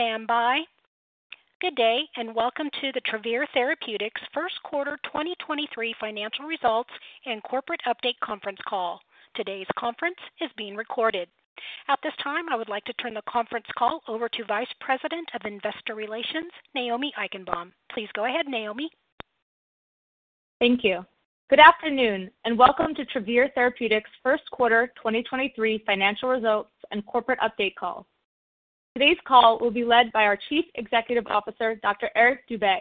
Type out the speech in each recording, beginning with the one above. Please stand by. Good day. Welcome to the Travere Therapeutics First Quarter 2023 Financial Results and Corporate Update Conference Call. Today's conference is being recorded. At this time, I would like to turn the conference call over to Vice President of Investor Relations, Naomi Eichenbaum. Please go ahead, Naomi. Thank you. Good afternoon, and welcome to Travere Therapeutics First Quarter 2023 Financial Results and Corporate Update Call. Today's call will be led by our Chief Executive Officer, Dr. Eric Dube.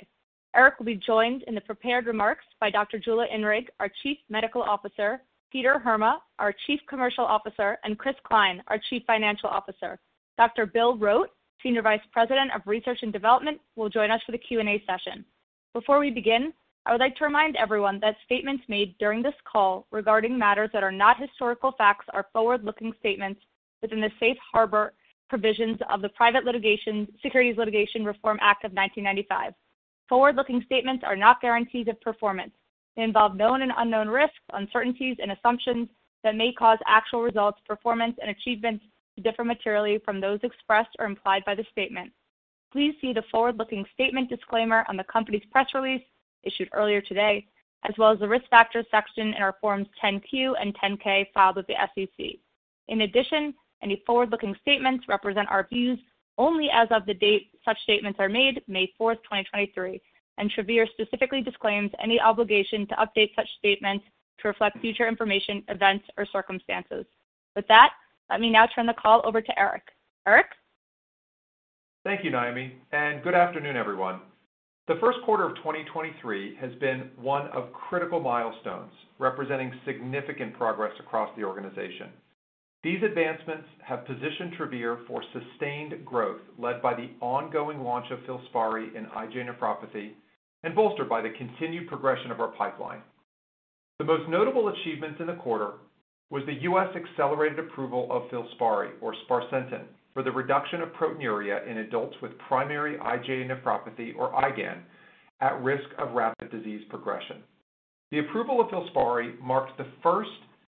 Eric will be joined in the prepared remarks by Dr. Jula Inrig, our Chief Medical Officer, Peter Heerma, our Chief Commercial Officer, and Chris Cline, our Chief Financial Officer. Dr. Bill Rote, Senior Vice President of Research and Development, will join us for the Q&A session. Before we begin, I would like to remind everyone that statements made during this call regarding matters that are not historical facts are forward-looking statements within the safe harbor provisions of the Private Securities Litigation Reform Act of 1995. Forward-looking statements are not guarantees of performance. They involve known and unknown risks, uncertainties and assumptions that may cause actual results, performance and achievements to differ materially from those expressed or implied by the statement. Please see the forward-looking statement disclaimer on the company's press release issued earlier today, as well as the Risk Factors section in our forms 10 Q and 10 K filed with the SEC. In addition, any forward-looking statements represent our views only as of the date such statements are made, May fourth, 2023, and Travere specifically disclaims any obligation to update such statements to reflect future information, events or circumstances. With that, let me now turn the call over to Eric. Eric? Thank you, Naomi, and good afternoon, everyone. The first quarter of 2023 has been one of critical milestones, representing significant progress across the organization. These advancements have positioned Travere for sustained growth, led by the ongoing launch of FILSPARI in IgA nephropathy and bolstered by the continued progression of our pipeline. The most notable achievements in the quarter was the U.S. accelerated approval of FILSPARI or sparsentan for the reduction of proteinuria in adults with primary IgA nephropathy or IgAN at risk of rapid disease progression. The approval of FILSPARI marks the first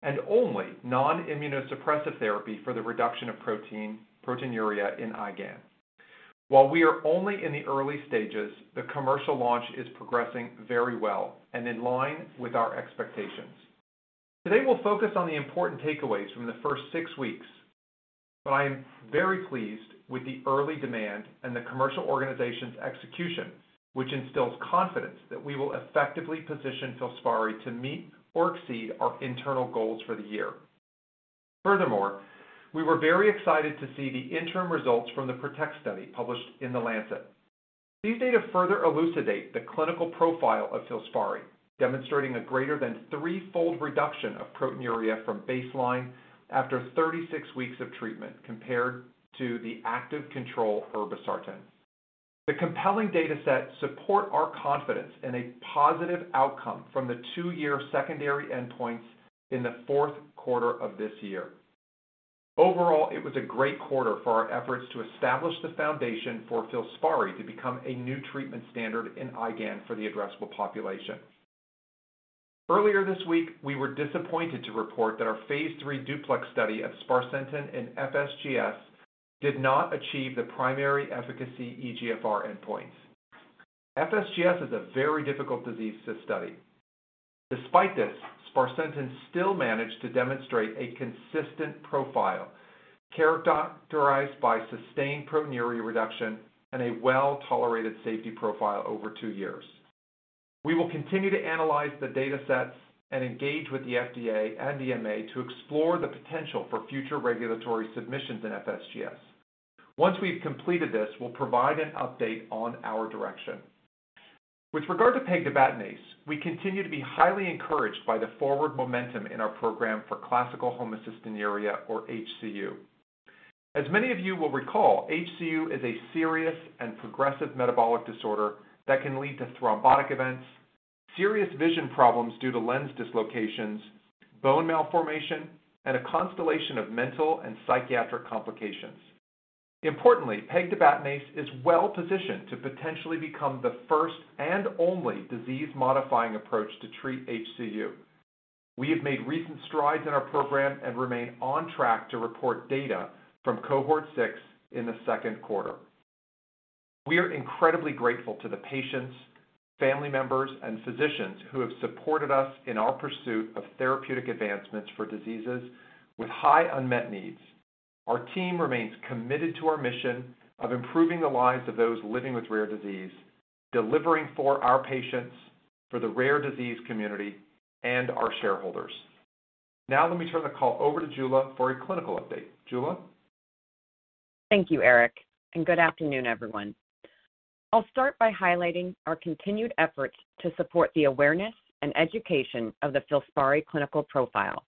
and only non-immunosuppressive therapy for the reduction of proteinuria in IgAN. While we are only in the early stages, the commercial launch is progressing very well and in line with our expectations. Today, we'll focus on the important takeaways from the first 6 weeks, but I am very pleased with the early demand and the commercial organization's execution, which instills confidence that we will effectively position FILSPARI to meet or exceed our internal goals for the year. We were very excited to see the interim results from the PROTECT study published in The Lancet. These data further elucidate the clinical profile of FILSPARI, demonstrating a greater than 3-fold reduction of proteinuria from baseline after 36 weeks of treatment compared to the active control irbesartan. The compelling data set support our confidence in a positive outcome from the 2-year secondary endpoints in the fourth quarter of this year. It was a great quarter for our efforts to establish the foundation for FILSPARI to become a new treatment standard in IgAN for the addressable population. Earlier this week, we were disappointed to report that our phase three DUPLEX study of sparsentan in FSGS did not achieve the primary efficacy eGFR endpoints. FSGS is a very difficult disease to study. Despite this, sparsentan still managed to demonstrate a consistent profile characterized by sustained proteinuria reduction and a well-tolerated safety profile over two years. We will continue to analyze the data sets and engage with the FDA and EMA to explore the potential for future regulatory submissions in FSGS. Once we've completed this, we'll provide an update on our direction. With regard to pegtibatinase, we continue to be highly encouraged by the forward momentum in our program for classical homocystinuria or HCU. As many of you will recall, HCU is a serious and progressive metabolic disorder that can lead to thrombotic events, serious vision problems due to lens dislocations, bone malformation, and a constellation of mental and psychiatric complications. Importantly, pegtibatinase is well-positioned to potentially become the first and only disease-modifying approach to treat HCU. We have made recent strides in our program and remain on track to report data from cohort 6 in the second quarter. We are incredibly grateful to the patients, family members, and physicians who have supported us in our pursuit of therapeutic advancements for diseases with high unmet needs. Our team remains committed to our mission of improving the lives of those living with rare disease, delivering for our patients, for the rare disease community, and our shareholders. Now let me turn the call over to Jula for a clinical update. Jula? Thank you, Eric. Good afternoon, everyone. I'll start by highlighting our continued efforts to support the awareness and education of the FILSPARI clinical profile.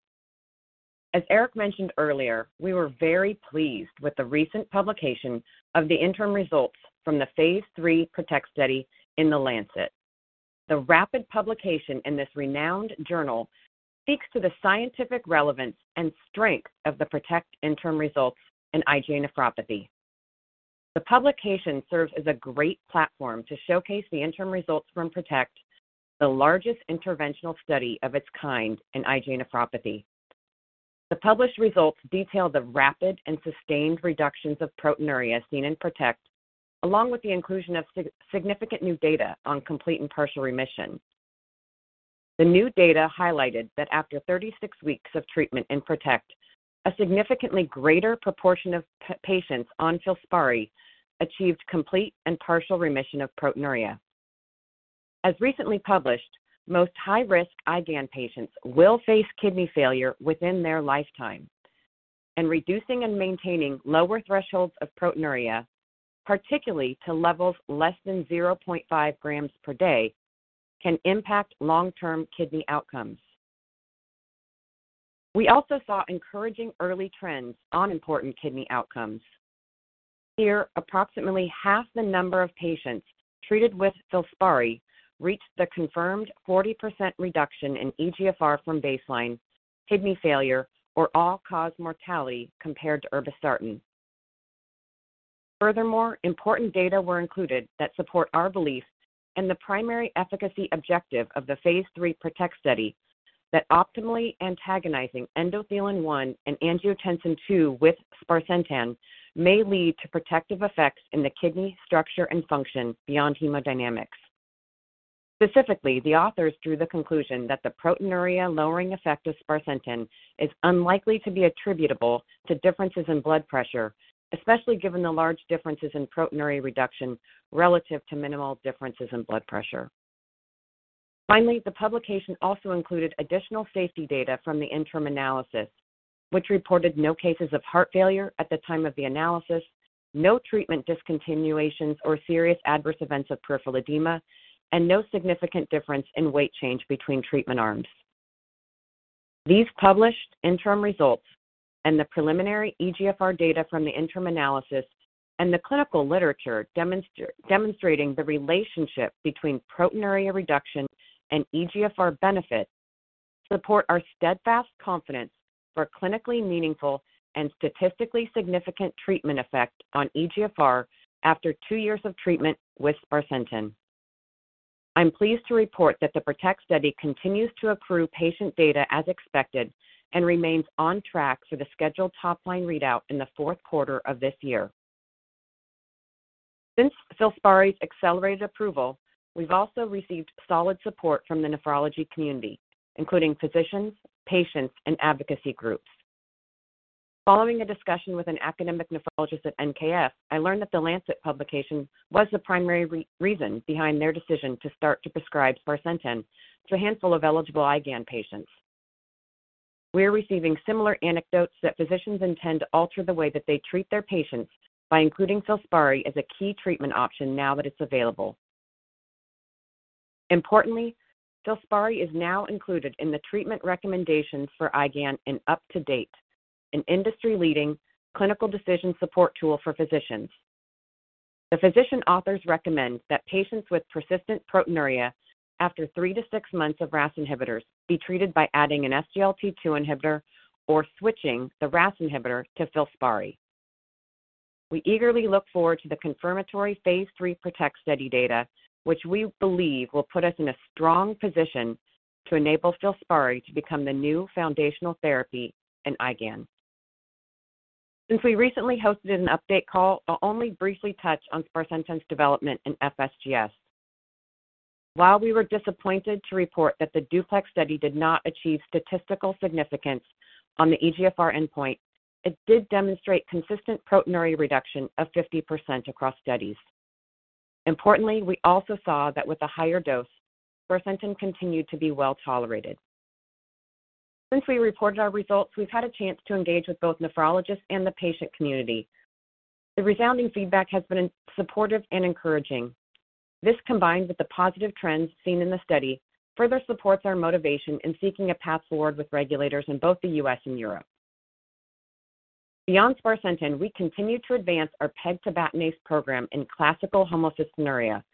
As Eric mentioned earlier, we were very pleased with the recent publication of the interim results from the phase 3 PROTECT study in The Lancet. The rapid publication in this renowned journal speaks to the scientific relevance and strength of the PROTECT interim results in IgA nephropathy. The publication serves as a great platform to showcase the interim results from PROTECT, the largest interventional study of its kind in IgA nephropathy. The published results detailed the rapid and sustained reductions of proteinuria seen in PROTECT, along with the inclusion of significant new data on complete and partial remission. The new data highlighted that after 36 weeks of treatment in PROTECT, a significantly greater proportion of patients on FILSPARI achieved complete and partial remission of proteinuria. As recently published, most high-risk IgAN patients will face kidney failure within their lifetime, and reducing and maintaining lower thresholds of proteinuria, particularly to levels less than 0.5 grams per day, can impact long-term kidney outcomes. We also saw encouraging early trends on important kidney outcomes. Here, approximately half the number of patients treated with FILSPARI reached the confirmed 40% reduction in eGFR from baseline, kidney failure or all-cause mortality compared to irbesartan. Furthermore, important data were included that support our belief and the primary efficacy objective of the phase 3 PROTECT study that optimally antagonizing endothelin-1 and angiotensin II with sparsentan may lead to protective effects in the kidney structure and function beyond hemodynamics. Specifically, the authors drew the conclusion that the proteinuria lowering effect of sparsentan is unlikely to be attributable to differences in blood pressure, especially given the large differences in proteinuria reduction relative to minimal differences in blood pressure. Finally, the publication also included additional safety data from the interim analysis, which reported no cases of heart failure at the time of the analysis, no treatment discontinuations or serious adverse events of peripheral edema, and no significant difference in weight change between treatment arms. These published interim results and the preliminary eGFR data from the interim analysis and the clinical literature demonstrating the relationship between proteinuria reduction and eGFR benefit support our steadfast confidence for clinically meaningful and statistically significant treatment effect on eGFR after two years of treatment with sparsentan. I'm pleased to report that the PROTECT study continues to accrue patient data as expected and remains on track for the scheduled top-line readout in the fourth quarter of this year. Since FILSPARI's accelerated approval, we've also received solid support from the nephrology community, including physicians, patients, and advocacy groups. Following a discussion with an academic nephrologist at NKF, I learned that The Lancet publication was the primary reason behind their decision to start to prescribe sparsentan to a handful of eligible IgAN patients. We're receiving similar anecdotes that physicians intend to alter the way that they treat their patients by including FILSPARI as a key treatment option now that it's available. FILSPARI is now included in the treatment recommendations for IgAN in UpToDate, an industry-leading clinical decision support tool for physicians. The physician authors recommend that patients with persistent proteinuria after 3-6 months of RAS inhibitors be treated by adding an SGLT2 inhibitor or switching the RAS inhibitor to FILSPARI. We eagerly look forward to the confirmatory phase 3 PROTECT study data, which we believe will put us in a strong position to enable FILSPARI to become the new foundational therapy in IgAN. Since we recently hosted an update call, I'll only briefly touch on sparsentan's development in FSGS. While we were disappointed to report that the DUPLEX study did not achieve statistical significance on the eGFR endpoint, it did demonstrate consistent proteinuria reduction of 50% across studies. Importantly, we also saw that with a higher dose, sparsentan continued to be well-tolerated. Since we reported our results, we've had a chance to engage with both nephrologists and the patient community. The resounding feedback has been supportive and encouraging. This, combined with the positive trends seen in the study, further supports our motivation in seeking a path forward with regulators in both the U.S. and Europe. Beyond sparsentan, we continue to advance our pegtibatinase program in classical homocystinuria.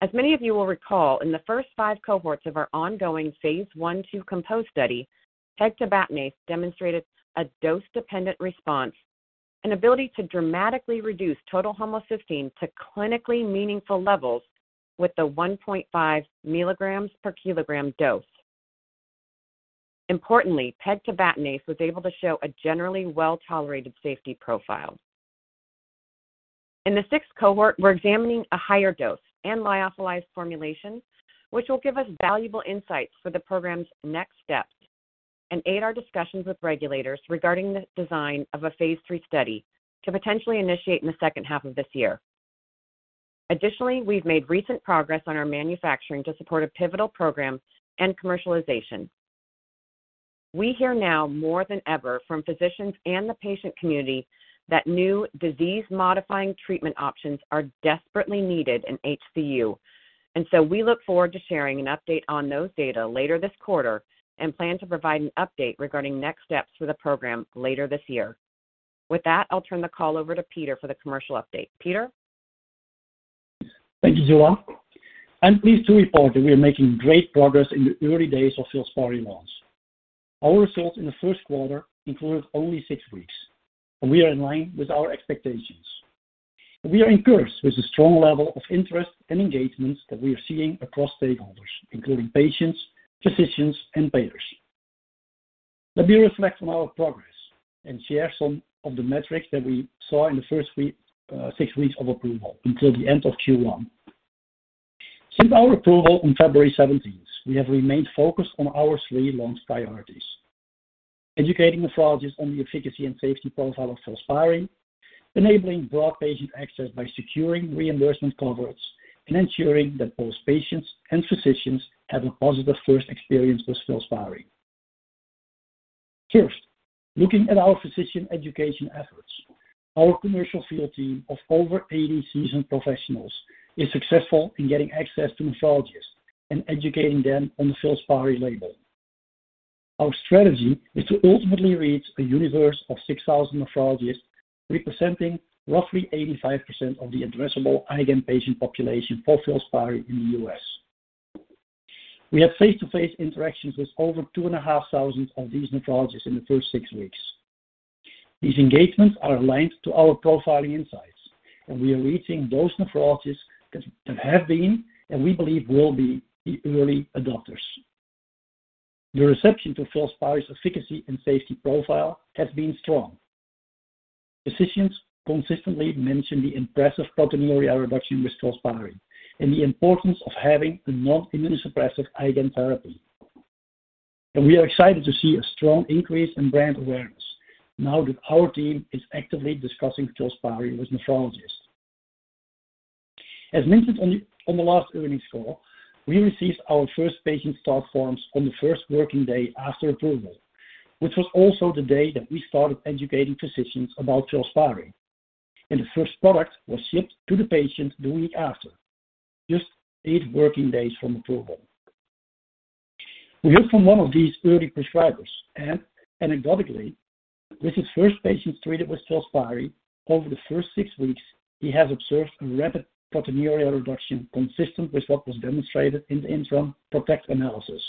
As many of you will recall, in the first five cohorts of our ongoing phase 1/2 COMPOSE study, pegtibatinase demonstrated a dose-dependent response and ability to dramatically reduce total homocysteine to clinically meaningful levels with the 1.5 milligrams per kilogram dose. Importantly, pegtibatinase was able to show a generally well-tolerated safety profile. In the sixth cohort, we're examining a higher dose and lyophilized formulation, which will give us valuable insights for the program's next steps and aid our discussions with regulators regarding the design of a phase 3 study to potentially initiate in the second half of this year. Additionally, we've made recent progress on our manufacturing to support a pivotal program and commercialization. We hear now more than ever from physicians and the patient community that new disease-modifying treatment options are desperately needed in HCU. We look forward to sharing an update on those data later this quarter and plan to provide an update regarding next steps for the program later this year. With that, I'll turn the call over to Peter for the commercial update. Peter? Thank you, JoAnne. I'm pleased to report that we are making great progress in the early days of FILSPARI launch. Our results in the 1st quarter include only 6 weeks, and we are in line with our expectations. We are encouraged with the strong level of interest and engagements that we are seeing across stakeholders, including patients, physicians, and payers. Let me reflect on our progress and share some of the metrics that we saw in the 1st week, 6 weeks of approval until the end of Q1. Since our approval on February 17th, we have remained focused on our 3 launch priorities, educating nephrologists on the efficacy and safety profile of FILSPARI, enabling broad patient access by securing reimbursement coverage, and ensuring that both patients and physicians have a positive 1st experience with FILSPARI. First, looking at our physician education efforts. Our commercial field team of over 80 seasoned professionals is successful in getting access to nephrologists and educating them on the FILSPARI label. Our strategy is to ultimately reach a universe of 6,000 nephrologists, representing roughly 85% of the addressable IgAN patient population for FILSPARI in the U.S. We have face-to-face interactions with over 2,500 of these nephrologists in the first six weeks. These engagements are aligned to our profiling insights, we are reaching those nephrologists that have been and we believe will be the early adopters. The reception to FILSPARI's efficacy and safety profile has been strong. Physicians consistently mention the impressive proteinuria reduction with FILSPARI and the importance of having a non-immunosuppressive IgAN therapy. We are excited to see a strong increase in brand awareness now that our team is actively discussing FILSPARI with nephrologists. As mentioned on the last earnings call, we received our first Patient Start Forms on the first working day after approval, which was also the day that we started educating physicians about FILSPARI. The first product was shipped to the patient the week after, just 8 working days from approval. We heard from one of these early prescribers. Anecdotally, with his first patients treated with FILSPARI, over the first 6 weeks, he has observed a rapid proteinuria reduction consistent with what was demonstrated in the interim PROTECT analysis.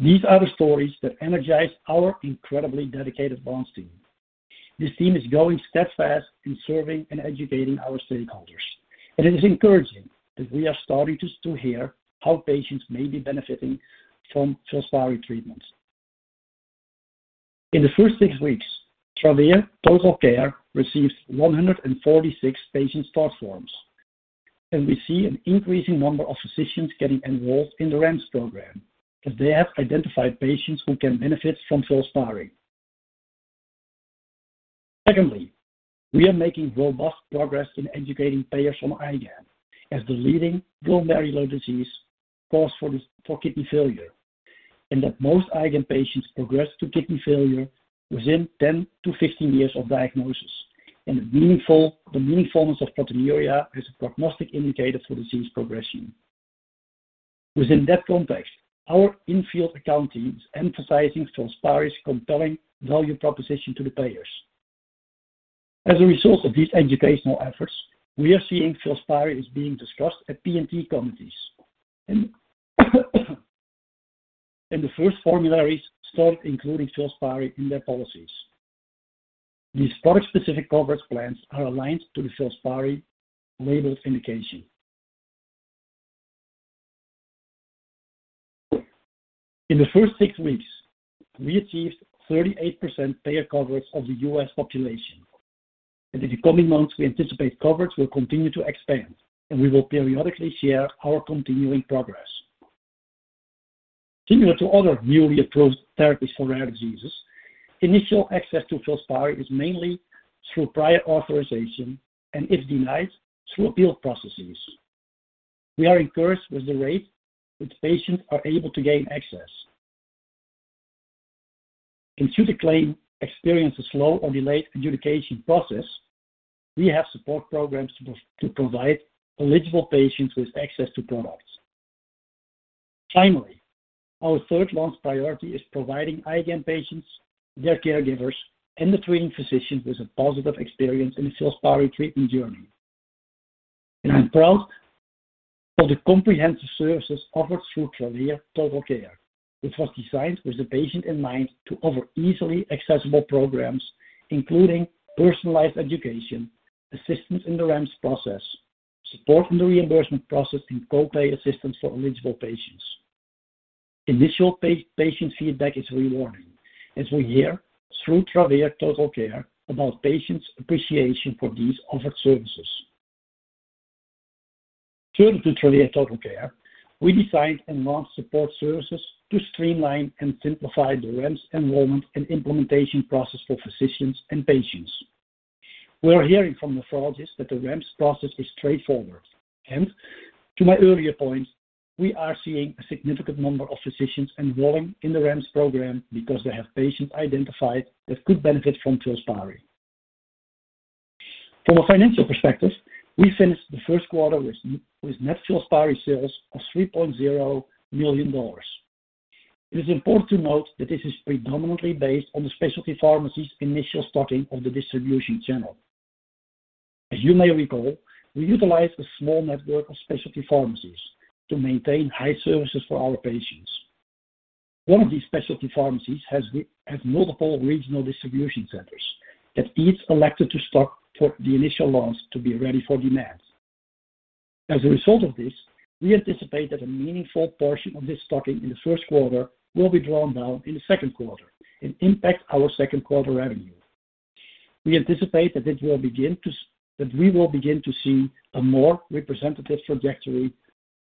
These are the stories that energize our incredibly dedicated launch team. This team is going steadfast in serving and educating our stakeholders. It is encouraging that we are starting to hear how patients may be benefiting from FILSPARI treatments. In the first 6 weeks, Travere TotalCare received 146 Patient Start Forms. We see an increasing number of physicians getting enrolled in the REMS program as they have identified patients who can benefit from FILSPARI. Secondly, we are making robust progress in educating payers on IgAN as the leading glomerular disease cause for kidney failure. That most IgAN patients progress to kidney failure within 10-15 years of diagnosis. The meaningfulness of proteinuria is a prognostic indicator for disease progression. Within that context, our in-field account team is emphasizing FILSPARI's compelling value proposition to the payers. As a result of these educational efforts, we are seeing FILSPARI is being discussed at P&T committees. The first formularies start including FILSPARI in their policies. These product-specific coverage plans are aligned to the FILSPARI label indication. In the first 6 weeks, we achieved 38% payer coverage of the U.S. population. In the coming months, we anticipate coverage will continue to expand, and we will periodically share our continuing progress. Similar to other newly approved therapies for rare diseases, initial access to FILSPARI is mainly through prior authorization and if denied, through appeal processes. We are encouraged with the rate that patients are able to gain access. Should a claim experience a slow or delayed adjudication process, we have support programs to provide eligible patients with access to products. Finally, our third launch priority is providing IgAN patients, their caregivers, and the treating physician with a positive experience in the FILSPARI treatment journey. I'm proud of the comprehensive services offered through Travere TotalCare, which was designed with the patient in mind to offer easily accessible programs, including personalized education, assistance in the REMS process, support in the reimbursement process, and co-pay assistance for eligible patients. Initial patient feedback is rewarding as we hear through Travere TotalCare about patients' appreciation for these offered services. In addition to Travere TotalCare, we designed enhanced support services to streamline and simplify the REMS enrollment and implementation process for physicians and patients. We are hearing from nephrologists that the REMS process is straightforward. To my earlier point, we are seeing a significant number of physicians enrolling in the REMS program because they have patients identified that could benefit from FILSPARI. From a financial perspective, we finished the first quarter with net FILSPARI sales of $3.0 million. It is important to note that this is predominantly based on the specialty pharmacy's initial starting of the distribution channel. As you may recall, we utilized a small network of specialty pharmacies to maintain high services for our patients. One of these specialty pharmacies has multiple regional distribution centers that each elected to stock for the initial launch to be ready for demand. As a result of this, we anticipate that a meaningful portion of this stocking in the first quarter will be drawn down in the second quarter and impact our second quarter revenue. We anticipate that it will begin that we will begin to see a more representative trajectory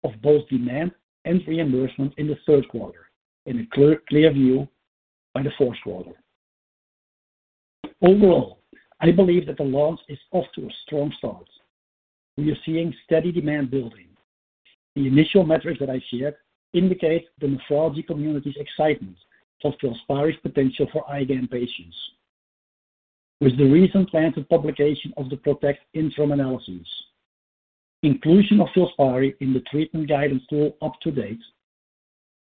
of both demand and reimbursement in the third quarter and a clear view by the fourth quarter. Overall, I believe that the launch is off to a strong start. We are seeing steady demand building. The initial metrics that I shared indicate the nephrology community's excitement for FILSPARI's potential for IgAN patients. With the recent planned publication of the PROTECT interim analysis, inclusion of FILSPARI in the treatment guidance tool UpToDate,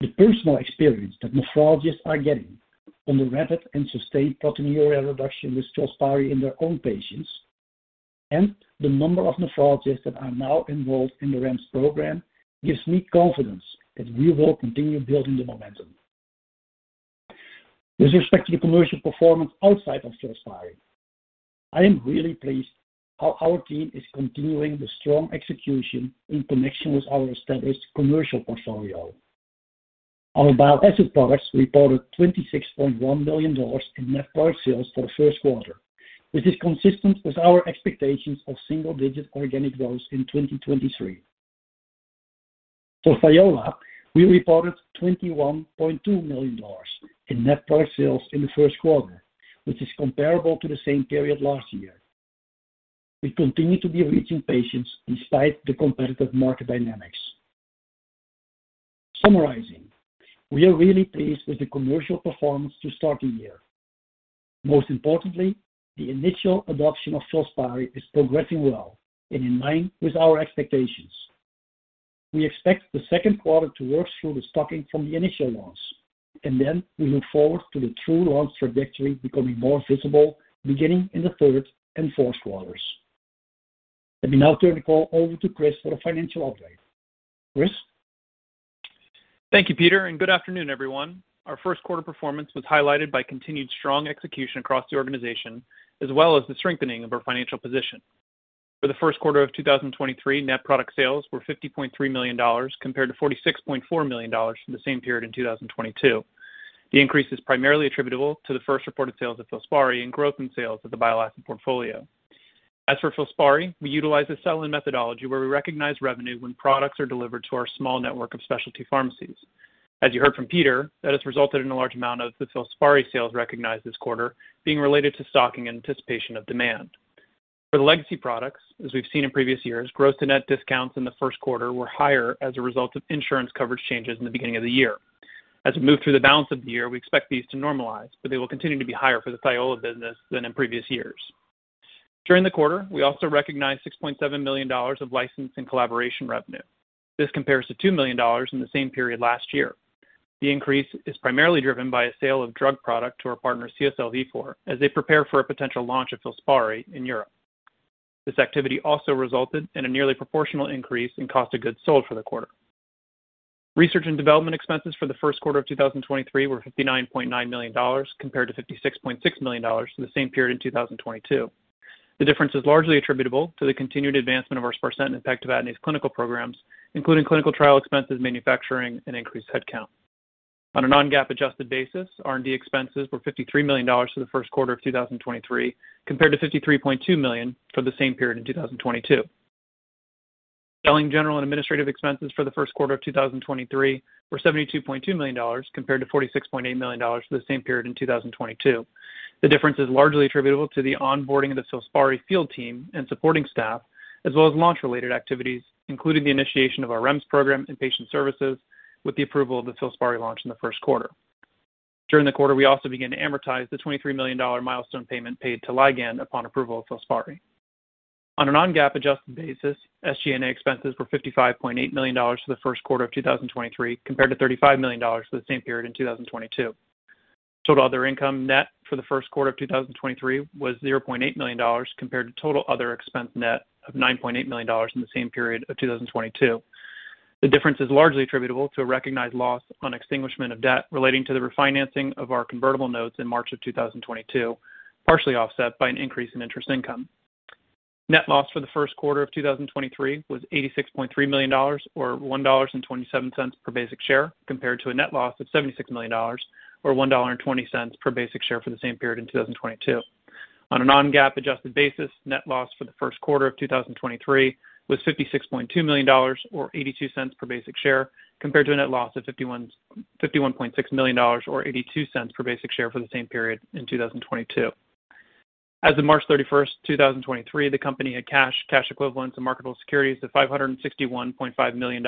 the personal experience that nephrologists are getting on the rapid and sustained proteinuria reduction with FILSPARI in their own patients, and the number of nephrologists that are now involved in the REMS program gives me confidence that we will continue building the momentum. With respect to the commercial performance outside of FILSPARI, I am really pleased how our team is continuing the strong execution in connection with our established commercial portfolio. Our bioasset products reported $26.1 million in net product sales for the first quarter, which is consistent with our expectations of single-digit organic growth in 2023. For Thiola, we reported $21.2 million in net product sales in the first quarter, which is comparable to the same period last year. We continue to be reaching patients despite the competitive market dynamics. Summarizing, we are really pleased with the commercial performance to start the year. Most importantly, the initial adoption of FILSPARI is progressing well and in line with our expectations. We expect the second quarter to work through the stocking from the initial launch, and then we look forward to the true launch trajectory becoming more visible beginning in the third and fourth quarters. Let me now turn the call over to Chris for a financial update. Chris. Thank you, Peter, and good afternoon, everyone. Our first quarter performance was highlighted by continued strong execution across the organization, as well as the strengthening of our financial position. For the first quarter of 2023, net product sales were $50.3 million compared to $46.4 million from the same period in 2022. The increase is primarily attributable to the first reported sales of FILSPARI and growth in sales of the bile acid portfolio. As for FILSPARI, we utilize a sell-in methodology where we recognize revenue when products are delivered to our small network of specialty pharmacies. As you heard from Peter, that has resulted in a large amount of the FILSPARI sales recognized this quarter being related to stocking anticipation of demand. For the legacy products, as we've seen in previous years, gross and net discounts in the first quarter were higher as a result of insurance coverage changes in the beginning of the year. As we move through the balance of the year, we expect these to normalize, but they will continue to be higher for the Thiola business than in previous years. During the quarter, we also recognized $6.7 million of license and collaboration revenue. This compares to $2 million in the same period last year. The increase is primarily driven by a sale of drug product to our partner CSL Vifor as they prepare for a potential launch of FILSPARI in Europe. This activity also resulted in a nearly proportional increase in cost of goods sold for the quarter. Research and development expenses for the first quarter of 2023 were $59.9 million, compared to $56.6 million for the same period in 2022. The difference is largely attributable to the continued advancement of our sparsentan and pegtibatinase clinical programs, including clinical trial expenses, manufacturing, and increased headcount. On a non-GAAP adjusted basis, R&D expenses were $53 million for the first quarter of 2023, compared to $53.2 million for the same period in 2022. Selling, general, and administrative expenses for the first quarter of 2023 were $72.2 million compared to $46.8 million for the same period in 2022. The difference is largely attributable to the onboarding of the FILSPARI field team and supporting staff, as well as launch-related activities, including the initiation of our REMS program and patient services with the approval of the FILSPARI launch in the first quarter. During the quarter, we also began to amortize the $23 million milestone payment paid to Ligand upon approval of FILSPARI. On a non-GAAP adjusted basis, SG&A expenses were $55.8 million for the first quarter of 2023, compared to $35 million for the same period in 2022. Total other income net for the first quarter of 2023 was $0.8 million, compared to total other expense net of $9.8 million in the same period of 2022. The difference is largely attributable to a recognized loss on extinguishment of debt relating to the refinancing of our convertible notes in March 2022, partially offset by an increase in interest income. Net loss for the first quarter of 2023 was $86.3 million or $1.27 per basic share, compared to a net loss of $76 million or $1.20 per basic share for the same period in 2022. On a non-GAAP adjusted basis, net loss for the first quarter of 2023 was $56.2 million or $0.82 per basic share, compared to a net loss of $51.6 million or $0.82 per basic share for the same period in 2022. As of March 31, 2023, the company had cash equivalents, and marketable securities of $561.5 million,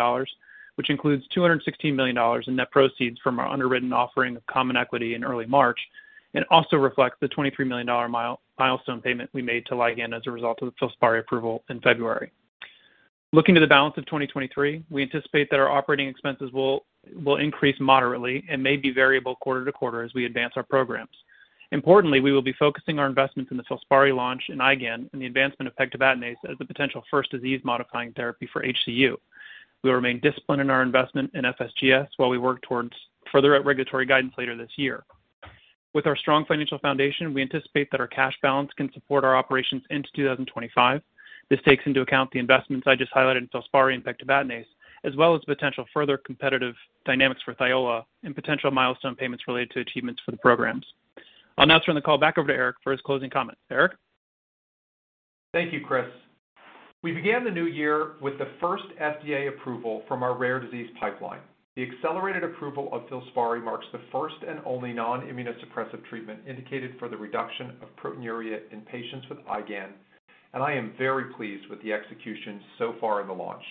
which includes $216 million in net proceeds from our underwritten offering of common equity in early March. It also reflects the $23 million milestone payment we made to Ligand as a result of the FILSPARI approval in February. Looking to the balance of 2023, we anticipate that our operating expenses will increase moderately and may be variable quarter-to-quarter as we advance our programs. Importantly, we will be focusing our investments in the FILSPARI launch and IgAN and the advancement of pegtibatinase as the potential first disease-modifying therapy for HCU. We will remain disciplined in our investment in FSGS while we work towards further regulatory guidance later this year. With our strong financial foundation, we anticipate that our cash balance can support our operations into 2025. This takes into account the investments I just highlighted in FILSPARI and pegtibatinase, as well as potential further competitive dynamics for Thiola and potential milestone payments related to achievements for the programs. I'll now turn the call back over to Eric for his closing comments. Eric? Thank you, Chris. We began the new year with the first FDA approval from our rare disease pipeline. The accelerated approval of FILSPARI marks the first and only non-immunosuppressive treatment indicated for the reduction of proteinuria in patients with IgAN. I am very pleased with the execution so far in the launch.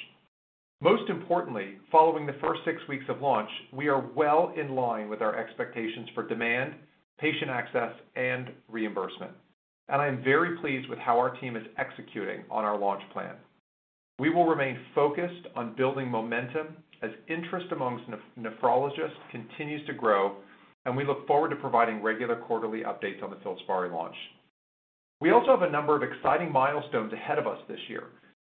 Most importantly, following the first six weeks of launch, we are well in line with our expectations for demand, patient access, and reimbursement. I am very pleased with how our team is executing on our launch plan. We will remain focused on building momentum as interest amongst nephrologists continues to grow, and we look forward to providing regular quarterly updates on the FILSPARI launch. We also have a number of exciting milestones ahead of us this year.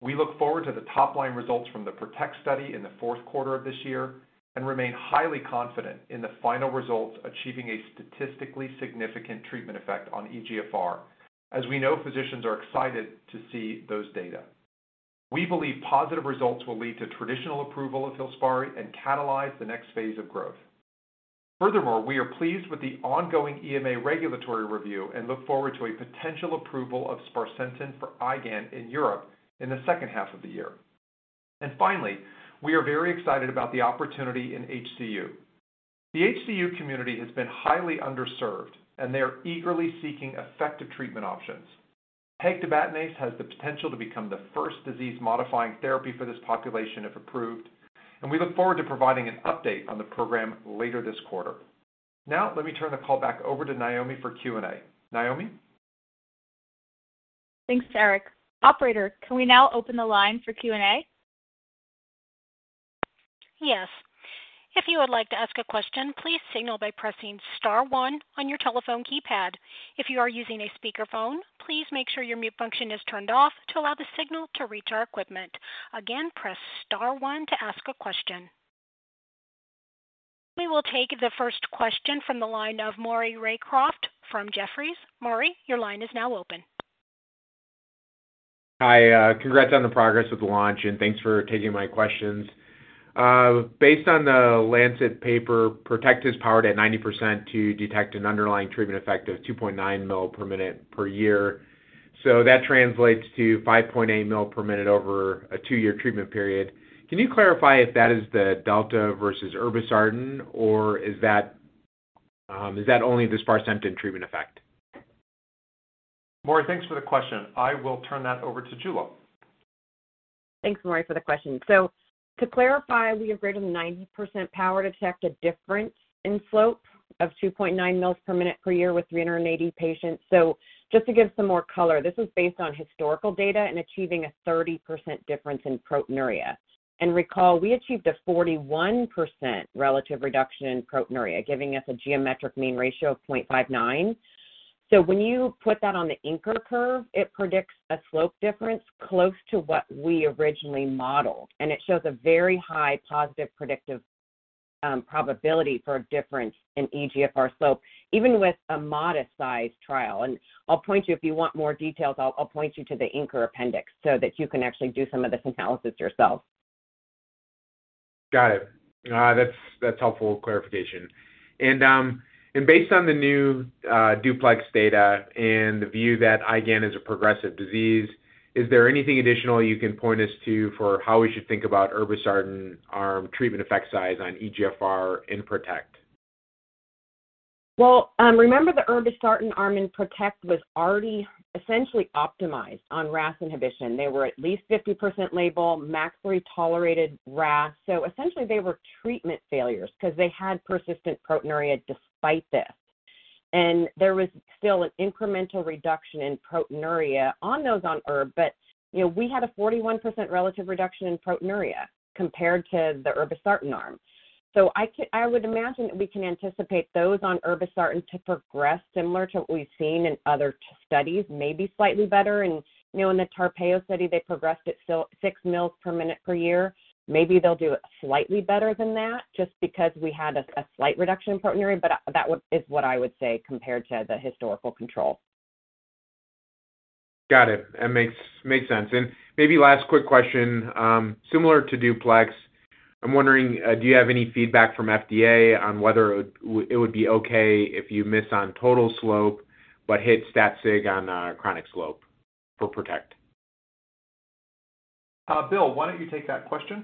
We look forward to the top-line results from the PROTECT study in the fourth quarter of this year and remain highly confident in the final results achieving a statistically significant treatment effect on eGFR, as we know physicians are excited to see those data. We believe positive results will lead to traditional approval of FILSPARI and catalyze the next phase of growth. Furthermore, we are pleased with the ongoing EMA regulatory review and look forward to a potential approval of sparsentan for IgAN in Europe in the second half of the year. Finally, we are very excited about the opportunity in HCU. The HCU community has been highly underserved, and they are eagerly seeking effective treatment options. Pegtibatinase has the potential to become the first disease-modifying therapy for this population if approved, and we look forward to providing an update on the program later this quarter. Let me turn the call back over to Naomi for Q&A. Naomi? Thanks, Eric. Operator, can we now open the line for Q&A? Yes. If you would like to ask a question, please signal by pressing star 1 on your telephone keypad. If you are using a speakerphone, please make sure your mute function is turned off to allow the signal to reach our equipment. Again, press star 1 to ask a question. We will take the first question from the line of Maury Raycroft from Jefferies. Maury, your line is now open. Hi, congrats on the progress with the launch, and thanks for taking my questions. Based on the Lancet paper, PROTECT is powered at 90% to detect an underlying treatment effect of 2.9 mil per minute per year. That translates to 5.8 mil per minute over a 2-year treatment period. Can you clarify if that is the delta versus irbesartan or is that, is that only the sparsentan treatment effect? Maury, thanks for the question. I will turn that over to Jula. Thanks, Maury, for the question. To clarify, we have greater than 90% power to detect a difference in slope of 2.9 mLs per minute per year with 380 patients. Just to give some more color, this is based on historical data and achieving a 30% difference in proteinuria. Recall, we achieved a 41% relative reduction in proteinuria, giving us a geometric mean ratio of 0.59. When you put that on the ANCHOR curve, it predicts a slope difference close to what we originally modeled, and it shows a very high positive predictive probability for a difference in eGFR slope, even with a modest-sized trial. I'll point you, if you want more details, I'll point you to the ANCHOR appendix so that you can actually do some of this analysis yourself. Got it. That's helpful clarification. Based on the new DUPLEX data and the view that IgAN is a progressive disease, is there anything additional you can point us to for how we should think about irbesartan arm treatment effect size on eGFR in PROTECT? Remember the irbesartan arm in PROTECT was already essentially optimized on RAS inhibition. They were at least 50% label, max 3 tolerated RAS. Essentially, they were treatment failures 'cause they had persistent proteinuria despite this. There was still an incremental reduction in proteinuria on those on IRB, but, you know, we had a 41% relative reduction in proteinuria compared to the irbesartan arm. I would imagine that we can anticipate those on irbesartan to progress similar to what we've seen in other studies, maybe slightly better. You know, in the Tarpeyo study, they progressed at 6 mils per minute per year. Maybe they'll do slightly better than that just because we had a slight reduction in proteinuria, but that is what I would say compared to the historical control. Got it. That makes sense. Maybe last quick question. Similar to DUPLEX, I'm wondering, do you have any feedback from FDA on whether it would be okay if you miss on total slope but hit stat sig on chronic slope for PROTECT? Bill, why don't you take that question?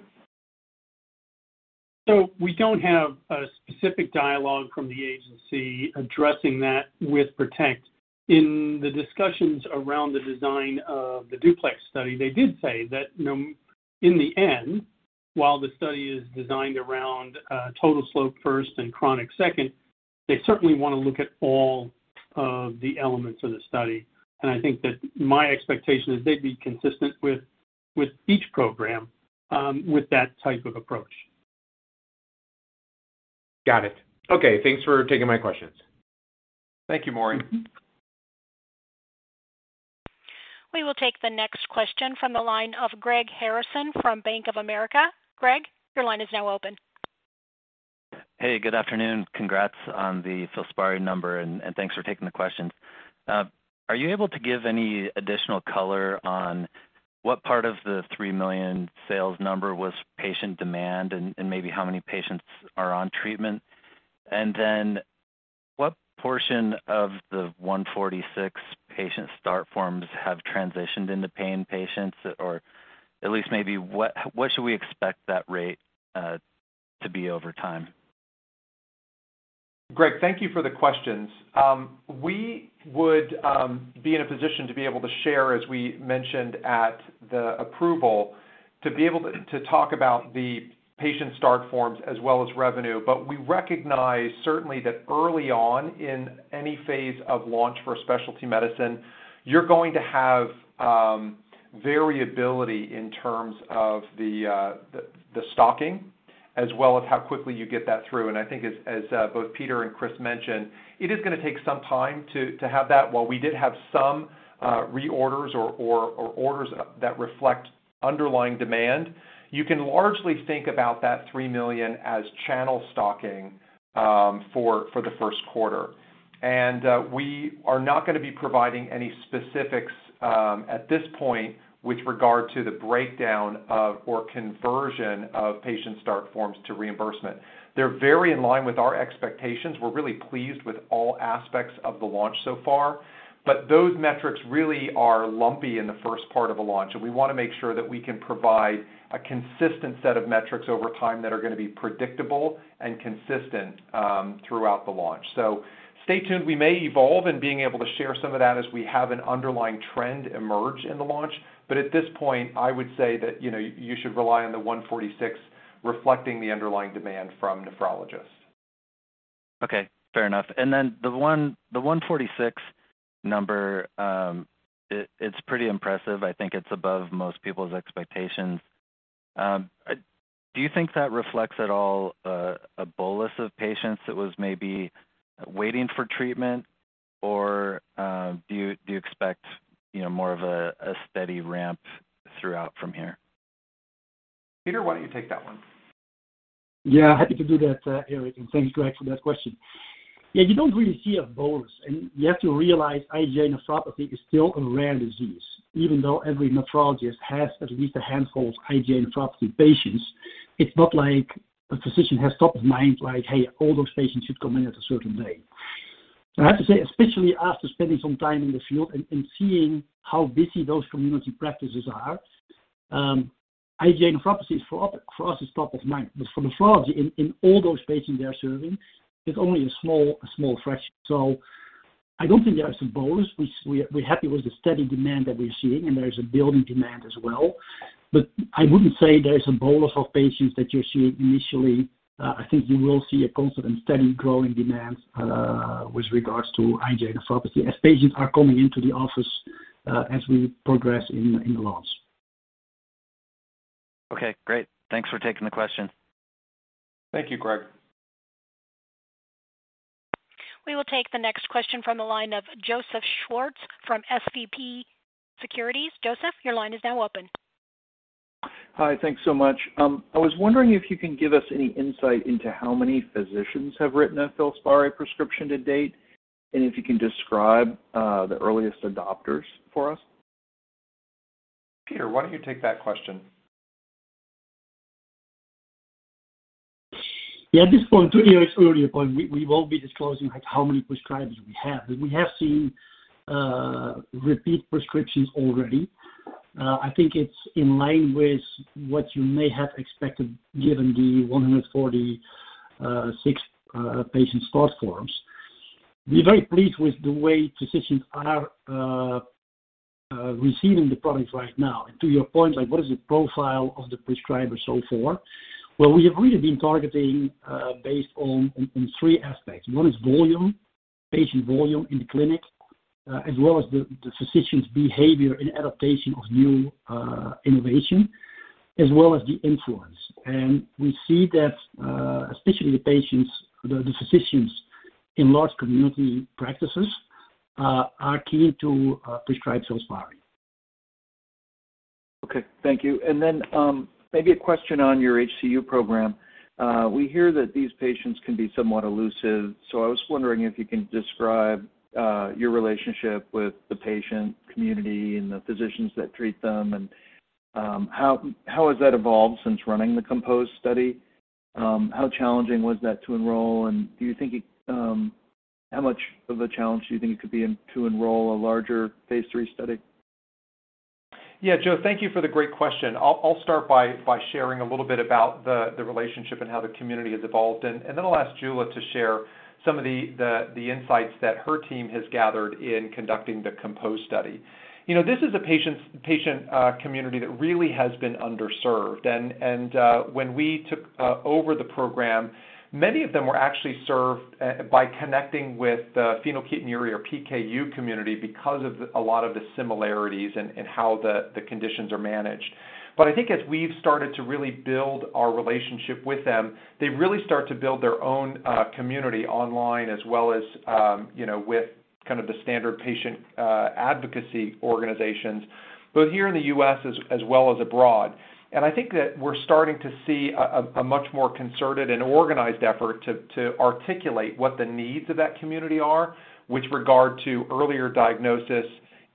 We don't have a specific dialogue from the agency addressing that with PROTECT. In the discussions around the design of the DUPLEX study, they did say that in the end, while the study is designed around total slope first and chronic second, they certainly wanna look at all of the elements of the study. I think that my expectation is they'd be consistent with each program with that type of approach. Got it. Okay, thanks for taking my questions. Thank you, Maury. We will take the next question from the line of Greg Harrison from Bank of America. Greg, your line is now open. Hey, good afternoon. Congrats on the FILSPARI number, and thanks for taking the questions. Are you able to give any additional color on what part of the $3 million sales number was patient demand and maybe how many patients are on treatment? What portion of the 146 Patient Start Forms have transitioned into paying patients, or at least maybe what should we expect that rate to be over time? Greg, thank you for the questions. We would be in a position to be able to share, as we mentioned at the approval, to be able to talk about the Patient Start Forms as well as revenue. We recognize certainly that early on in any phase of launch for specialty medicine, you're going to have variability in terms of the stocking as well as how quickly you get that through. I think as both Peter and Chris mentioned, it is gonna take some time to have that. While we did have some reorders or orders that reflect underlying demand, you can largely think about that $3 million as channel stocking for the first quarter. We are not gonna be providing any specifics at this point with regard to the breakdown of or conversion of Patient Start Forms to reimbursement. They're very in line with our expectations. We're really pleased with all aspects of the launch so far. Those metrics really are lumpy in the first part of a launch, and we wanna make sure that we can provide a consistent set of metrics over time that are gonna be predictable and consistent throughout the launch. Stay tuned. We may evolve in being able to share some of that as we have an underlying trend emerge in the launch. At this point, I would say that, you know, you should rely on the 146 reflecting the underlying demand from nephrologists. Okay, fair enough. The 146 number, it's pretty impressive. I think it's above most people's expectations. Do you think that reflects at all a bolus of patients that was maybe waiting for treatment or do you expect, you know, more of a steady ramp throughout from here? Peter, why don't you take that one? Yeah, happy to do that, Eric, and thanks, Greg, for that question. Yeah, you don't really see a bolus, and you have to realize IgA nephropathy is still a rare disease. Even though every nephrologist has at least a handful of IgA nephropathy patients, it's not like a physician has top of mind, like, "Hey, all those patients should come in at a certain day." I have to say, especially after spending some time in the field and seeing how busy those community practices are, IgA nephropathy is for us is top of mind. But for nephrology in all those patients they are serving, it's only a small fraction. I don't think there is a bolus. We're happy with the steady demand that we're seeing, and there is a building demand as well. I wouldn't say there is a bolus of patients that you're seeing initially. I think you will see a constant and steady growing demand, with regards to IgA nephropathy as patients are coming into the office, as we progress in the launch. Okay, great. Thanks for taking the question. Thank you, Greg. We will take the next question from the line of Joseph Schwartz from SVB Securities. Joseph, your line is now open. Hi. Thanks so much. I was wondering if you can give us any insight into how many physicians have written a FILSPARI prescription to date, and if you can describe the earliest adopters for us. Peter, why don't you take that question? Yeah. At this point, to your earlier point, we won't be disclosing, like, how many prescribers we have. We have seen repeat prescriptions already. I think it's in line with what you may have expected given the 146 Patient Start Forms. We're very pleased with the way physicians are receiving the product right now. To your point, like, what is the profile of the prescribers so far, well, we have really been targeting, based on three aspects. One is volume, patient volume in the clinic, as well as the physician's behavior and adaptation of new innovation, as well as the influence. We see that, especially the physicians in large community practices, are key to prescribe FILSPARI. Okay, thank you. Then, maybe a question on your HCU program. We hear that these patients can be somewhat elusive, so I was wondering if you can describe your relationship with the patient community and the physicians that treat them. How has that evolved since running the COMPOSE study? How challenging was that to enroll, and do you think it could be to enroll a larger phase three study? Yeah. Joe, thank you for the great question. I'll start by sharing a little bit about the relationship and how the community has evolved, and then I'll ask Jula to share some of the insights that her team has gathered in conducting the COMPOSE study. You know, this is a patient community that really has been underserved. When we took over the program. Many of them were actually served by connecting with the phenylketonuria or PKU community because of a lot of the similarities in how the conditions are managed. I think as we've started to really build our relationship with them, they really start to build their own community online as well as, you know, with kind of the standard patient advocacy organizations, both here in the U.S. as well as abroad. I think that we're starting to see a much more concerted and organized effort to articulate what the needs of that community are with regard to earlier diagnosis,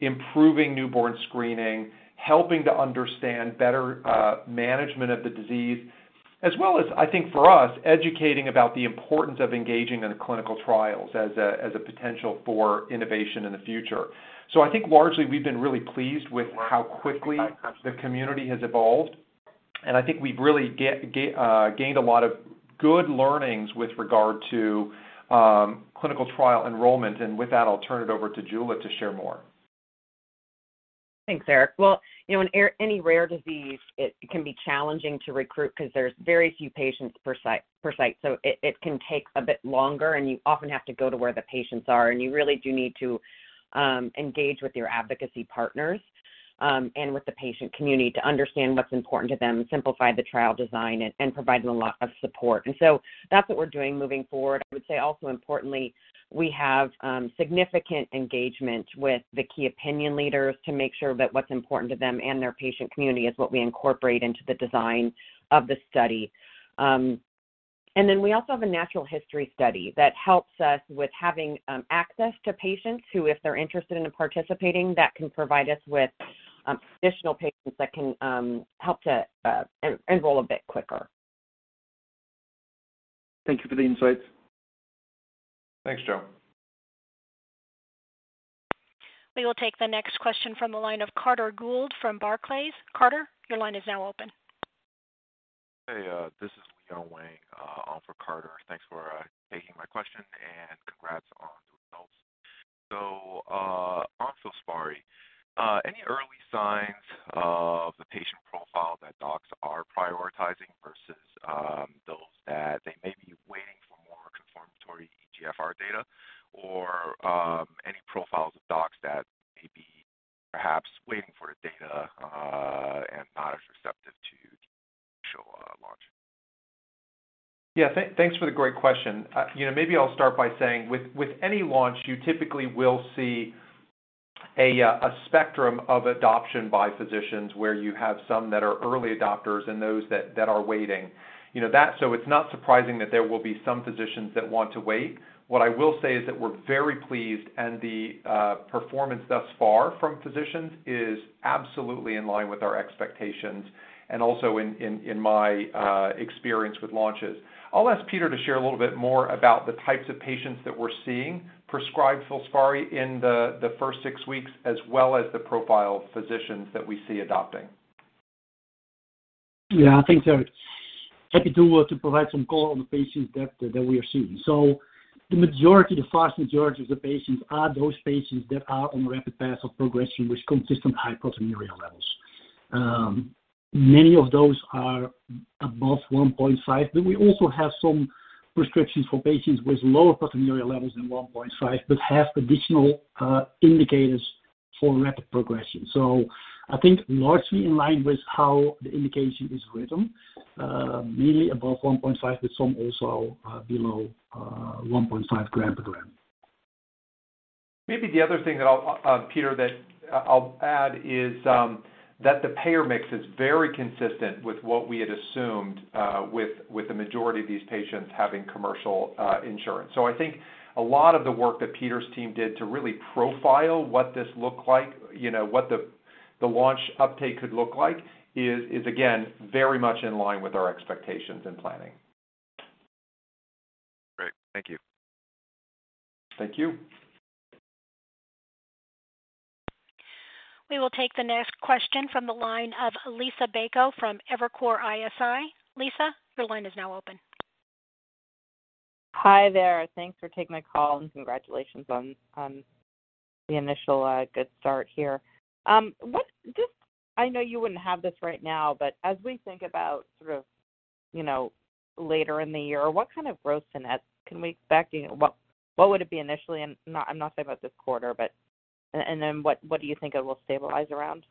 improving newborn screening, helping to understand better management of the disease, as well as I think for us, educating about the importance of engaging in clinical trials as a potential for innovation in the future. I think largely we've been really pleased with how quickly the community has evolved, and I think we've really gained a lot of good learnings with regard to clinical trial enrollment. With that, I'll turn it over to Jula to share more. Thanks, Eric. Well, you know, in any rare disease it can be challenging to recruit because there's very few patients per site. It can take a bit longer, and you often have to go to where the patients are, and you really do need to engage with your advocacy partners and with the patient community to understand what's important to them, simplify the trial design and provide them a lot of support. That's what we're doing moving forward. I would say also importantly, we have significant engagement with the key opinion leaders to make sure that what's important to them and their patient community is what we incorporate into the design of the study. We also have a natural history study that helps us with having access to patients who, if they're interested in participating, that can provide us with additional patients that can help to enroll a bit quicker. Thank you for the insights. Thanks, Joe. We will take the next question from the line of Carter Gould from Barclays. Carter, your line is now open. Hey, this is Leon Wang, on for Carter. Thanks for taking my question, and congrats on the results. On FILSPARI, any early signs of the patient profile that docs are prioritizing versus those that they may be waiting for more confirmatory eGFR data? Any profiles of docs that may be perhaps waiting for the data, and not as receptive to the commercial launch? Yeah. Thanks for the great question. You know, maybe I'll start by saying with any launch, you typically will see a spectrum of adoption by physicians where you have some that are early adopters and those that are waiting. You know, it's not surprising that there will be some physicians that want to wait. What I will say is that we're very pleased, and the performance thus far from physicians is absolutely in line with our expectations and also in my experience with launches. I'll ask Peter to share a little bit more about the types of patients that we're seeing prescribed FILSPARI in the first 6 weeks as well as the profile of physicians that we see adopting. Yeah. Thanks, Eric. Happy to provide some color on the patients that we are seeing. The majority, the vast majority of the patients are those patients that are on rapid path of progression with consistent high proteinuria levels. Many of those are above 1.5, but we also have some prescriptions for patients with lower proteinuria levels than 1.5, but have additional indicators for rapid progression. I think largely in line with how the indication is written, mainly above 1.5, with some also below 1.5 gram per gram. Maybe the other thing that I'll, Peter, that I'll add is that the payer mix is very consistent with what we had assumed, with the majority of these patients having commercial insurance. I think a lot of the work that Peter's team did to really profile what this looked like, you know, what the launch uptake could look like is again, very much in line with our expectations and planning. Great. Thank you. Thank you. We will take the next question from the line of Liisa Bayko from Evercore ISI. Lisa, your line is now open. Hi there. Thanks for taking my call, congratulations on the initial good start here. Just, I know you wouldn't have this right now, but as we think about sort of, you know, later in the year, what kind of gross to net can we expect? What would it be initially, and not, I'm not talking about this quarter, but, and then what do you think it will stabilize around?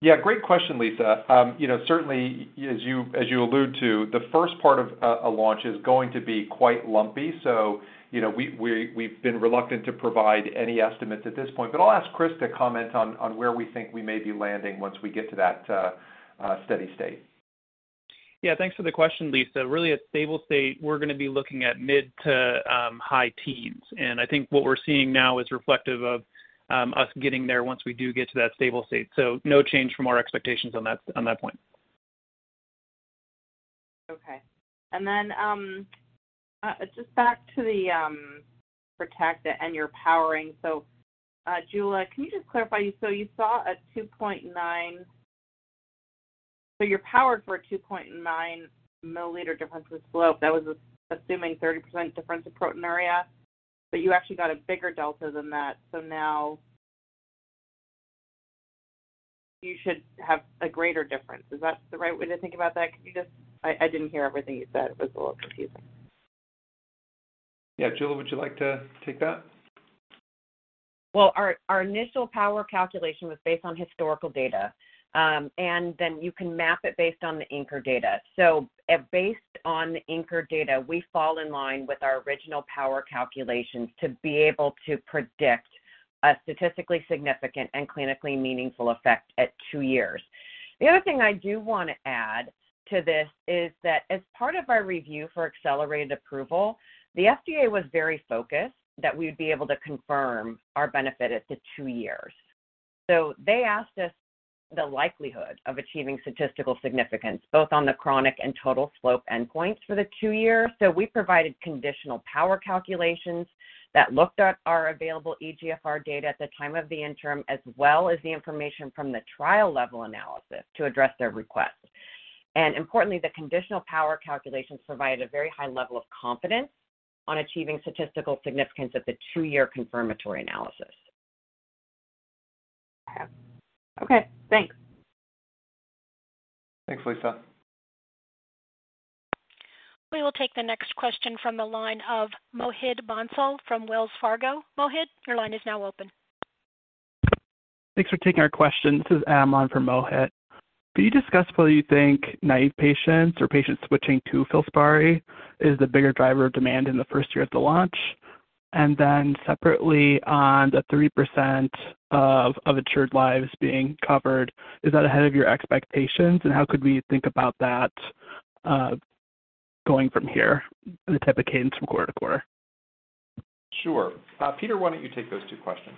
Yeah. Great question, Lisa. You know, certainly as you allude to, the first part of a launch is going to be quite lumpy. You know, we've been reluctant to provide any estimates at this point. I'll ask Chris to comment on where we think we may be landing once we get to that steady state. Yeah. Thanks for the question, Liisa. Really, at stable state, we're gonna be looking at mid to high teens, and I think what we're seeing now is reflective of us getting there once we do get to that stable state. No change from our expectations on that point. Okay. Just back to the PROTECT and your powering. Jula, can you just clarify? You're powered for a 2.9 milliliter difference in slope. That was assuming 30% difference in proteinuria, but you actually got a bigger delta than that. You should have a greater difference. Is that the right way to think about that? Could you just... I didn't hear everything you said. It was a little confusing. Yeah. Jill, would you like to take that? Well, our initial power calculation was based on historical data, and then you can map it based on the ANCHOR data. Based on the ANCHOR data, we fall in line with our original power calculations to be able to predict a statistically significant and clinically meaningful effect at two years. The other thing I do wanna add to this is that as part of our review for accelerated approval, the FDA was very focused that we'd be able to confirm our benefit at the two years. They asked us the likelihood of achieving statistical significance, both on the chronic and total slope endpoints for the two years. We provided conditional power calculations that looked at our available eGFR data at the time of the interim, as well as the information from the trial-level analysis to address their request. Importantly, the conditional power calculations provided a very high level of confidence on achieving statistical significance at the two-year confirmatory analysis. Okay. Thanks. Thanks, Liisa. We will take the next question from the line of Mohit Bansal from Wells Fargo. Mohit, your line is now open. Thanks for taking our question. This is Amon for Mohit. Could you discuss whether you think naive patients or patients switching to FILSPARI is the bigger driver of demand in the first year of the launch? Separately, on the 3% of insured lives being covered, is that ahead of your expectations? How could we think about that going from here, the type of cadence from quarter to quarter? Sure. Peter, why don't you take those two questions?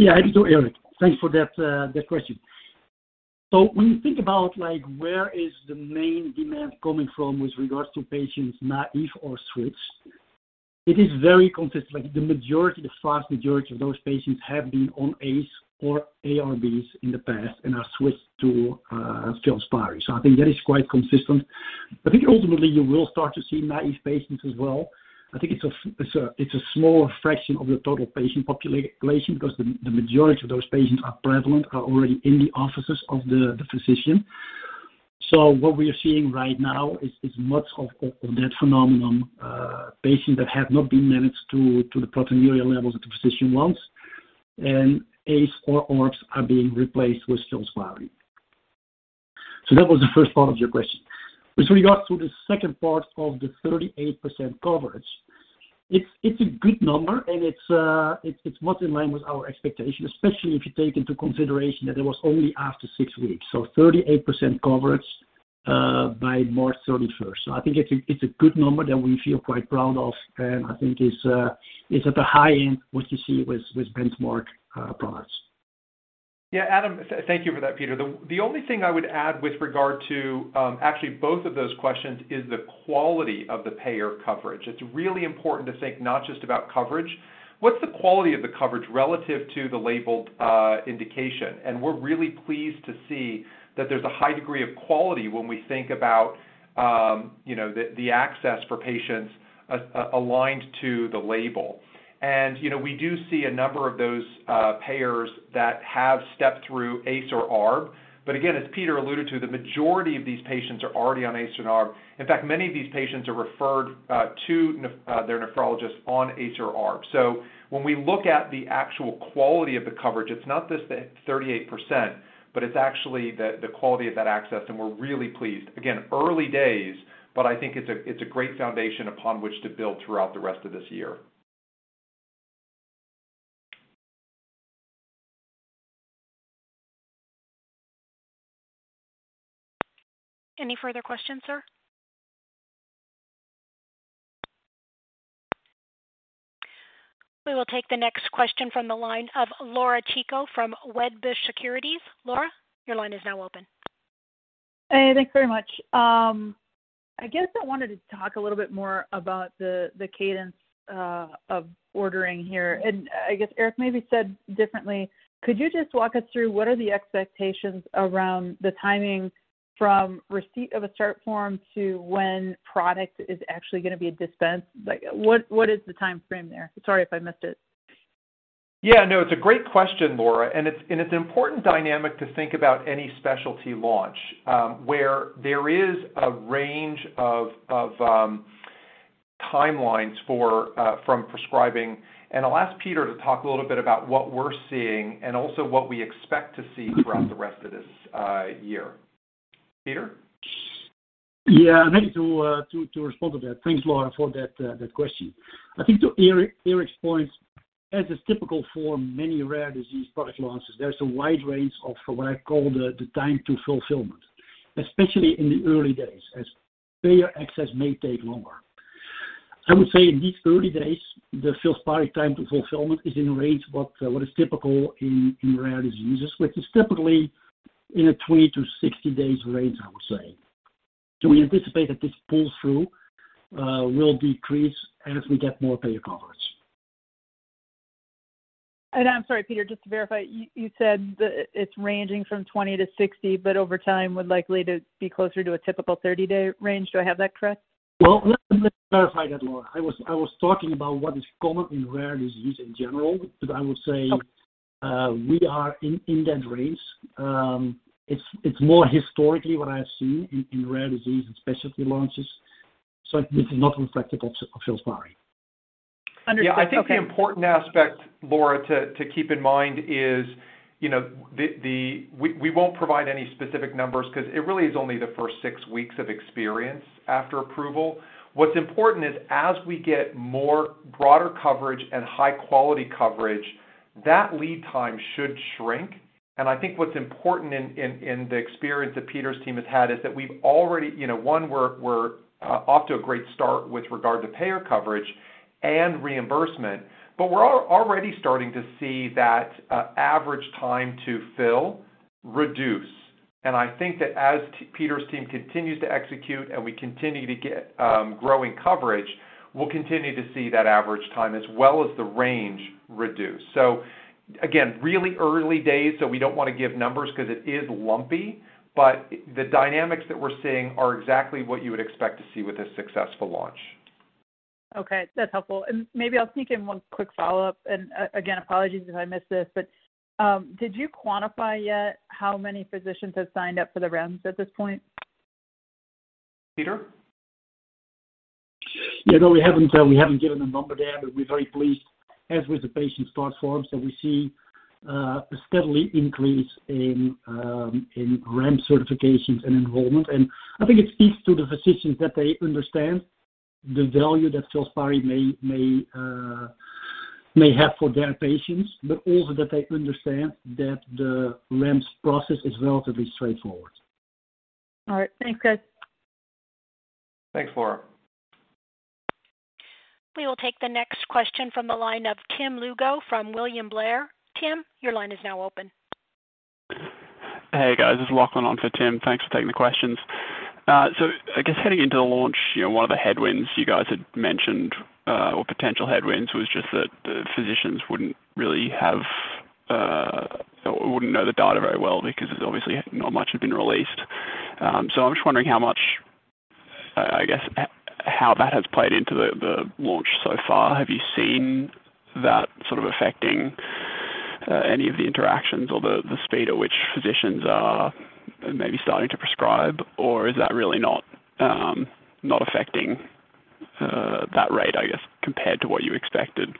Eric, thanks for that question. When you think about, like, where is the main demand coming from with regards to patients, naive or switched, it is very consistent. Like, the majority, the vast majority of those patients have been on ACE or ARBs in the past and have switched to FILSPARI. I think that is quite consistent. I think ultimately you will start to see naive patients as well. I think it's a small fraction of the total patient population because the majority of those patients are prevalent, are already in the offices of the physician. What we are seeing right now is much of that phenomenon, patients that have not been managed to the proteinuria levels that the physician wants, and ACE or ARBs are being replaced with FILSPARI. That was the first part of your question. With regards to the second part of the 38% coverage, it's a good number, and it's much in line with our expectations, especially if you take into consideration that it was only after 6 weeks. 38% coverage by March 31st. I think it's a good number that we feel quite proud of, and I think is at the high end what you see with benchmark products. Yeah. Thank you for that, Peter. The only thing I would add with regard to actually both of those questions is the quality of the payer coverage. It's really important to think not just about coverage. What's the quality of the coverage relative to the labeled indication? We're really pleased to see that there's a high degree of quality when we think about, you know, the access for patients aligned to the label. You know, we do see a number of those payers that have stepped through ACE or ARB. Again, as Peter alluded to, the majority of these patients are already on ACE and ARB. In fact, many of these patients are referred to their nephrologist on ACE or ARB. When we look at the actual quality of the coverage, it's not just the 38%, but it's actually the quality of that access, and we're really pleased. Again, early days, but I think it's a great foundation upon which to build throughout the rest of this year. Any further questions, sir? We will take the next question from the line of Laura Chico from Wedbush Securities. Laura, your line is now open. Hey, thanks very much. I guess I wanted to talk a little bit more about the cadence of ordering here. I guess, Eric, maybe said differently. Could you just walk us through what are the expectations around the timing from receipt of a start form to when product is actually gonna be dispensed? Like, what is the timeframe there? Sorry if I missed it. Yeah. No, it's a great question, Laura, and it's an important dynamic to think about any specialty launch, where there is a range of timelines for from prescribing. I'll ask Peter to talk a little bit about what we're seeing and also what we expect to see throughout the rest of this year. Peter? Yeah. Thank you, to respond to that. Thanks, Laura, for that question. I think to Eric's point, as is typical for many rare disease product launches, there's a wide range of what I call the time to fulfillment, especially in the early days as payer access may take longer. I would say in these early days, the FILSPARI time to fulfillment is in range what is typical in rare diseases, which is typically in a 20 to 60 days range, I would say. We anticipate that this pull-through will decrease as we get more payer coverage. I'm sorry, Peter, just to verify, you said it's ranging from 20-60, but over time would likely to be closer to a typical 30-day range. Do I have that correct? Well, let me clarify that, Laura. I was talking about what is common in rare disease in general. I would say- Okay. We are in that race. It's more historically what I've seen in rare disease and specialty launches, so it's not reflective of FILSPARI. Understood. Okay. Yeah. I think the important aspect, Laura, to keep in mind is, you know, the... We won't provide any specific numbers 'cause it really is only the first 6 weeks of experience after approval. What's important is, as we get more broader coverage and high-quality coverage, that lead time should shrink. I think what's important in the experience that Peter's team has had is that we've already, you know, one, we're off to a great start with regard to payer coverage and reimbursement, but we're already starting to see that average time to fill reduce. I think that as Peter's team continues to execute, and we continue to get growing coverage, we'll continue to see that average time as well as the range reduce. Again, really early days, so we don't wanna give numbers 'cause it is lumpy, but the dynamics that we're seeing are exactly what you would expect to see with a successful launch. Okay. That's helpful. Maybe I'll sneak in one quick follow-up. Again, apologies if I missed this, but, did you quantify yet how many physicians have signed up for the REMS at this point? Peter? You know, we haven't given a number there, but we're very pleased, as with the Patient Start Forms, that we see a steadily increase in REMS certifications and enrollment. I think it speaks to the physicians that they understand the value that FILSPARI may have for their patients, also that they understand that the REMS process is relatively straightforward. All right. Thanks, guys. Thanks, Laura. We will take the next question from the line of Tim Lugo from William Blair. Tim, your line is now open. Hey, guys. This is Lachlan on for Tim. Thanks for taking the questions. I guess heading into the launch, you know, one of the headwinds you guys had mentioned, or potential headwinds was just that the physicians wouldn't really have, or wouldn't know the data very well because obviously not much had been released. I'm just wondering I guess how that has played into the launch so far. Have you seen that sort of affecting any of the interactions or the speed at which physicians are maybe starting to prescribe, or is that really not affecting that rate, I guess, compared to what you expected?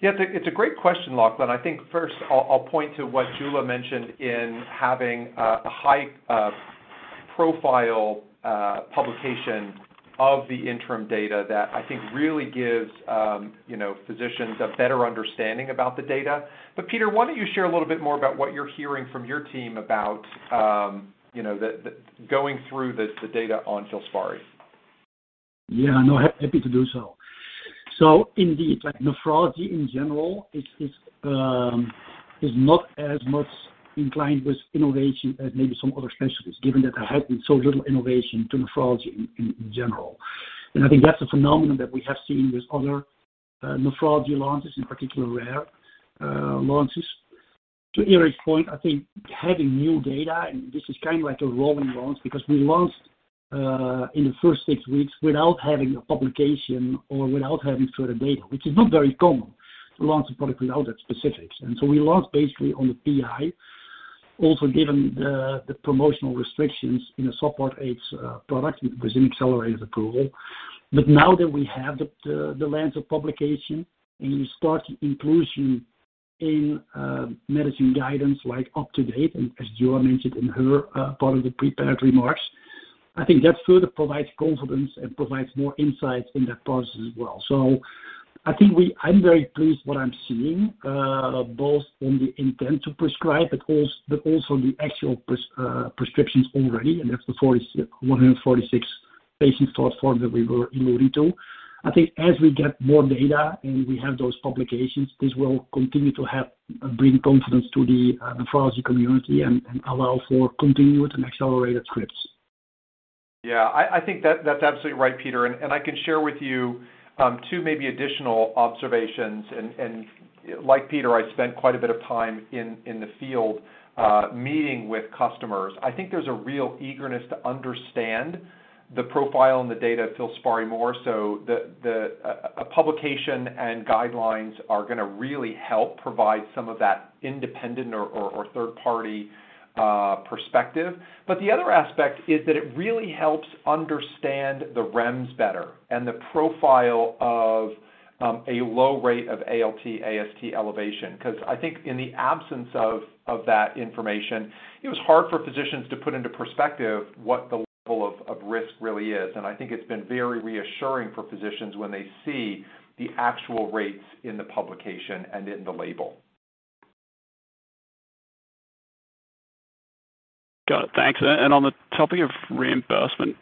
Yeah. It's a great question, Lachlan. I think first I'll point to what Jula mentioned in having a high-profile publication of the interim data that I think really gives, you know, physicians a better understanding about the data. Peter, why don't you share a little bit more about what you're hearing from your team about, you know, the data on FILSPARI? Yeah. No, happy to do so. Indeed, like, nephrology in general is not as much inclined with innovation as maybe some other specialties, given that there has been so little innovation to nephrology in general. I think that's a phenomenon that we have seen with other nephrology launches, in particular rare launches. To Eric's point, I think having new data, and this is kind of like a rolling launch because we launched in the first 6 weeks without having a publication or without having further data, which is not very common to launch a product without that specifics. We launched basically on the PI, also given the promotional restrictions in a Subpart H product with accelerated approval. Now that we have the lens of publication and you start inclusion in medicine guidance like UpToDate, and as Jula mentioned in her part of the prepared remarks, I think that further provides confidence and provides more insights in that process as well. I'm very pleased what I'm seeing, both on the intent to prescribe, but also the actual prescriptions already, and that's the 146 patients so far that we were in Lorito. I think as we get more data and we have those publications, this will continue to help bring confidence to the nephrology community and allow for continued and accelerated scripts. I think that's absolutely right, Peter. I can share with you two maybe additional observations. Like Peter, I spent quite a bit of time in the field meeting with customers. I think there's a real eagerness to understand the profile and the data of FILSPARI more so the publication and guidelines are gonna really help provide some of that independent or third-party perspective. The other aspect is that it really helps understand the REMS better and the profile of a low rate of ALT, AST elevation. 'Cause I think in the absence of that information, it was hard for physicians to put into perspective what the level of risk really is. I think it's been very reassuring for physicians when they see the actual rates in the publication and in the label. Got it. Thanks. On the topic of reimbursement,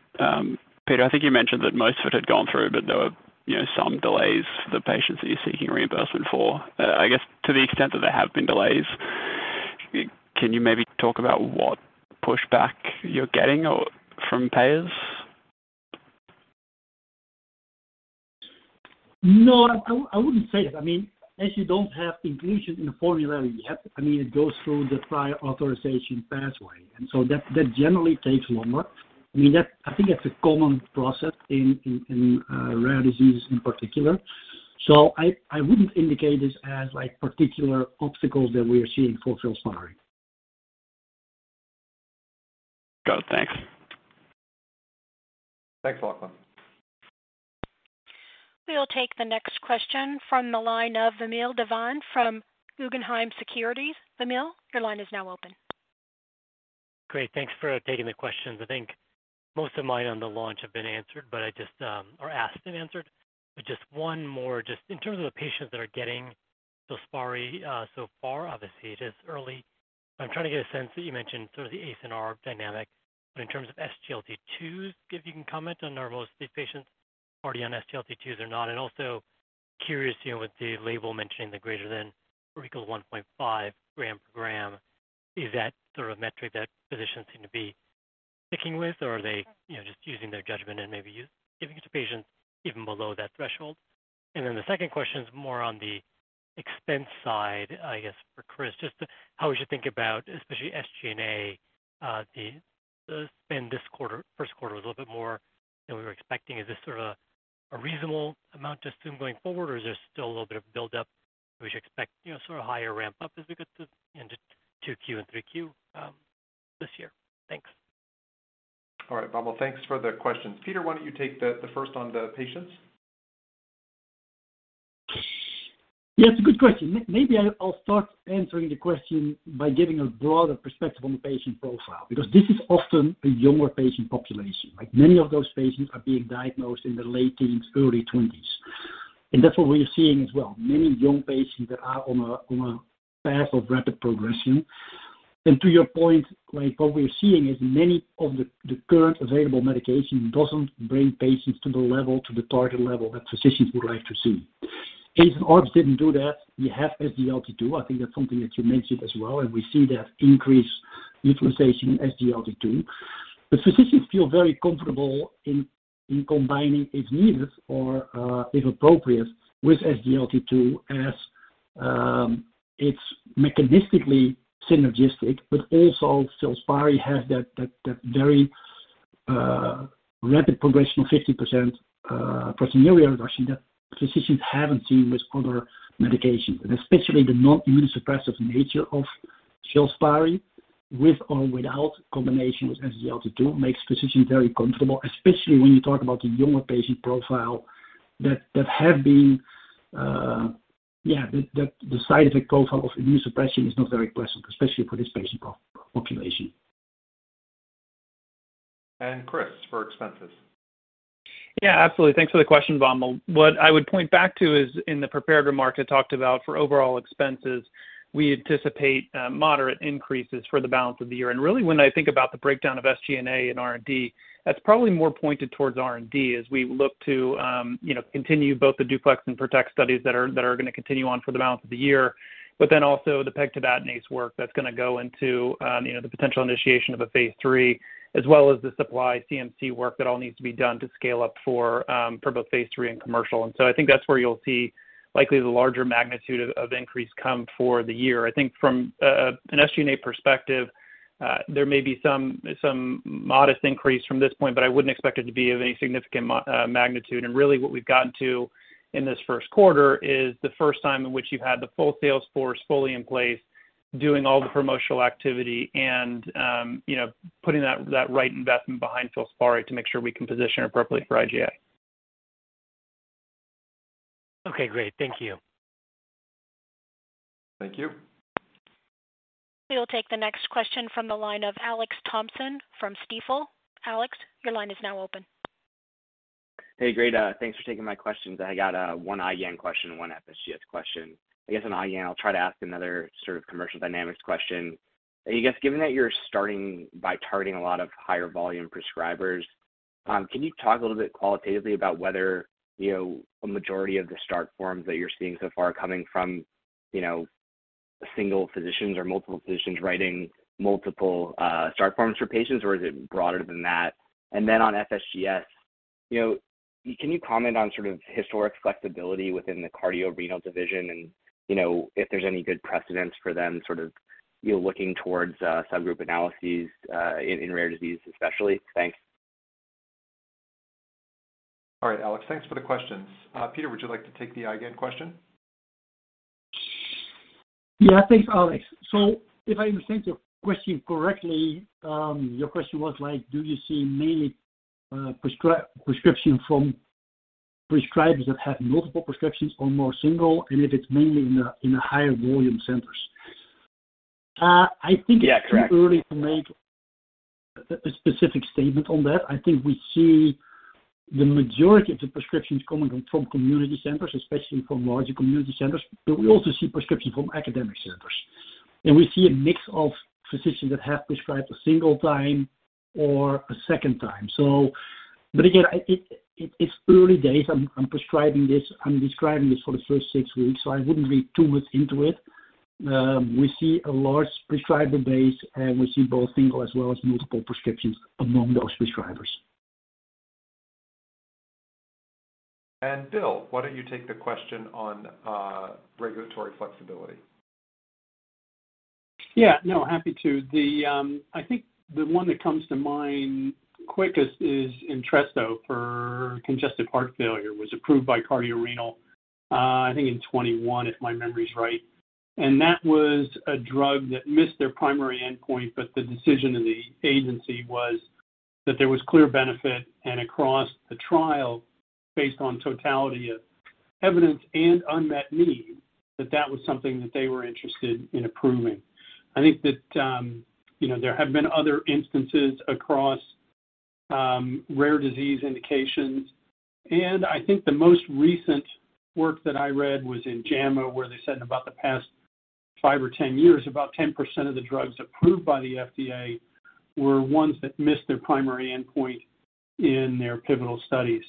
Peter, I think you mentioned that most of it had gone through, but there were, you know, some delays for the patients that you're seeking reimbursement for. I guess to the extent that there have been delays, can you maybe talk about what pushback you're getting or from payers? No, I wouldn't say it. I mean, as you don't have inclusion in the formulary yet, I mean, it goes through the prior authorization pathway. That generally takes longer. I mean, I think that's a common process in rare diseases in particular. I wouldn't indicate this as like particular obstacles that we are seeing for FILSPARI. Go, thanks. Thanks, Lachlan. We'll take the next question from the line of Vamil Divan from Guggenheim Securities. Vamil, your line is now open. Great. Thanks for taking the questions. I think most of mine on the launch have been answered or asked and answered. Just one more, just in terms of the patients that are getting FILSPARI so far. Obviously, it is early. I'm trying to get a sense that you mentioned sort of the ACE and ARB dynamic, but in terms of SGLT2s, if you can comment on are most of these patients already on SGLT2s or not? Also curious, you know, with the label mentioning the greater than or equal to 1.5 gram per gram, is that sort of metric that physicians seem to be sticking with, or are they, you know, just using their judgment and maybe giving it to patients even below that threshold? The second question is more on the expense side, I guess, for Chris, just how we should think about, especially SG&A, the spend this quarter. First quarter was a little bit more than we were expecting. Is this sort of a reasonable amount to assume going forward, or is there still a little bit of build-up? We should expect, you know, sort of higher ramp-up as we get to end of 2Q and 3Q this year. Thanks. All right, Vamil, thanks for the questions. Peter, why don't you take the first on the patients? Yeah, it's a good question. Maybe I'll start answering the question by giving a broader perspective on the patient profile. This is often a younger patient population. Like, many of those patients are being diagnosed in their late teens, early twenties. That's what we're seeing as well. Many young patients that are on a path of rapid progression. To your point, like, what we're seeing is many of the current available medication doesn't bring patients to the level, the target level that physicians would like to see. ACE and ARBs didn't do that. We have SGLT2. I think that's something that you mentioned as well. We see that increased utilization in SGLT2. The physicians feel very comfortable in combining if needed or if appropriate, with SGLT2 as it's mechanistically synergistic, but also FILSPARI has that very rapid progression of 50% proteinuria reduction that physicians haven't seen with other medications. Especially the non-immunosuppressive nature of FILSPARI with or without combination with SGLT2 makes physicians very comfortable, especially when you talk about the younger patient profile that have been. The side effect profile of immunosuppression is not very pleasant, especially for this patient population. Chris, for expenses. Yeah, absolutely. Thanks for the question, Vamil. What I would point back to is in the prepared remarks, I talked about for overall expenses, we anticipate moderate increases for the balance of the year. Really, when I think about the breakdown of SG&A and R&D, that's probably more pointed towards R&D as we look to, you know, continue both the DUPLEX and PROTECT studies that are gonna continue on for the balance of the year. Also the pegtibatinase work that's gonna go into, you know, the potential initiation of a phase 3, as well as the supply CMC work that all needs to be done to scale up for both phase 3 and commercial. I think that's where you'll see likely the larger magnitude of increase come for the year. I think from a, an SG&A perspective, there may be some modest increase from this point, but I wouldn't expect it to be of any significant magnitude. Really what we've gotten to in this first quarter is the first time in which you've had the full sales force fully in place doing all the promotional activity and, you know, putting that right investment behind FILSPARI to make sure we can position it appropriately for IgA. Okay, great. Thank you. Thank you. We will take the next question from the line of Alexander Thompson from Stifel. Alexander, your line is now open. Hey, great. Thanks for taking my questions. I got one IgA question and one FSGS question. I guess on IgA, I'll try to ask another sort of commercial dynamics question. I guess given that you're starting by targeting a lot of higher volume prescribers, can you talk a little bit qualitatively about whether, you know, a majority of the start forms that you're seeing so far are coming from, you know, single physicians or multiple physicians writing multiple start forms for patients, or is it broader than that? Then on FSGS, you know, can you comment on sort of historic flexibility within the cardiorenal division and, you know, if there's any good precedence for them, sort of, you know, looking towards subgroup analyses in rare disease especially? Thanks. All right, Alexander, thanks for the questions. Peter, would you like to take the IgA question? Yeah. Thanks, Alexander. If I understand your question correctly, your question was like, do you see mainly prescription from prescribers that have multiple prescriptions or more single, and if it's mainly in the, in the higher volume centers? I think- Yeah, correct. It's too early to make a specific statement on that. I think we see the majority of the prescriptions coming from community centers, especially from larger community centers, but we also see prescriptions from academic centers. We see a mix of physicians that have prescribed a single time or a second time. Again, it's early days. I'm describing this for the first 6 weeks. I wouldn't read too much into it. We see a large prescriber base. We see both single as well as multiple prescriptions among those prescribers. Bill, why don't you take the question on regulatory flexibility? Yeah. No, happy to. The, I think the one that comes to mind quickest is Entresto for congestive heart failure was approved by cardiorenal, I think in 21, if my memory is right. That was a drug that missed their primary endpoint. The decision in the agency was that there was clear benefit and across the trial based on totality of evidence and unmet need, that that was something that they were interested in approving. I think that, you know, there have been other instances across rare disease indications, and I think the most recent work that I read was in JAMA, where they said in about the past 5 or 10 years, about 10% of the drugs approved by the FDA were ones that missed their primary endpoint in their pivotal study.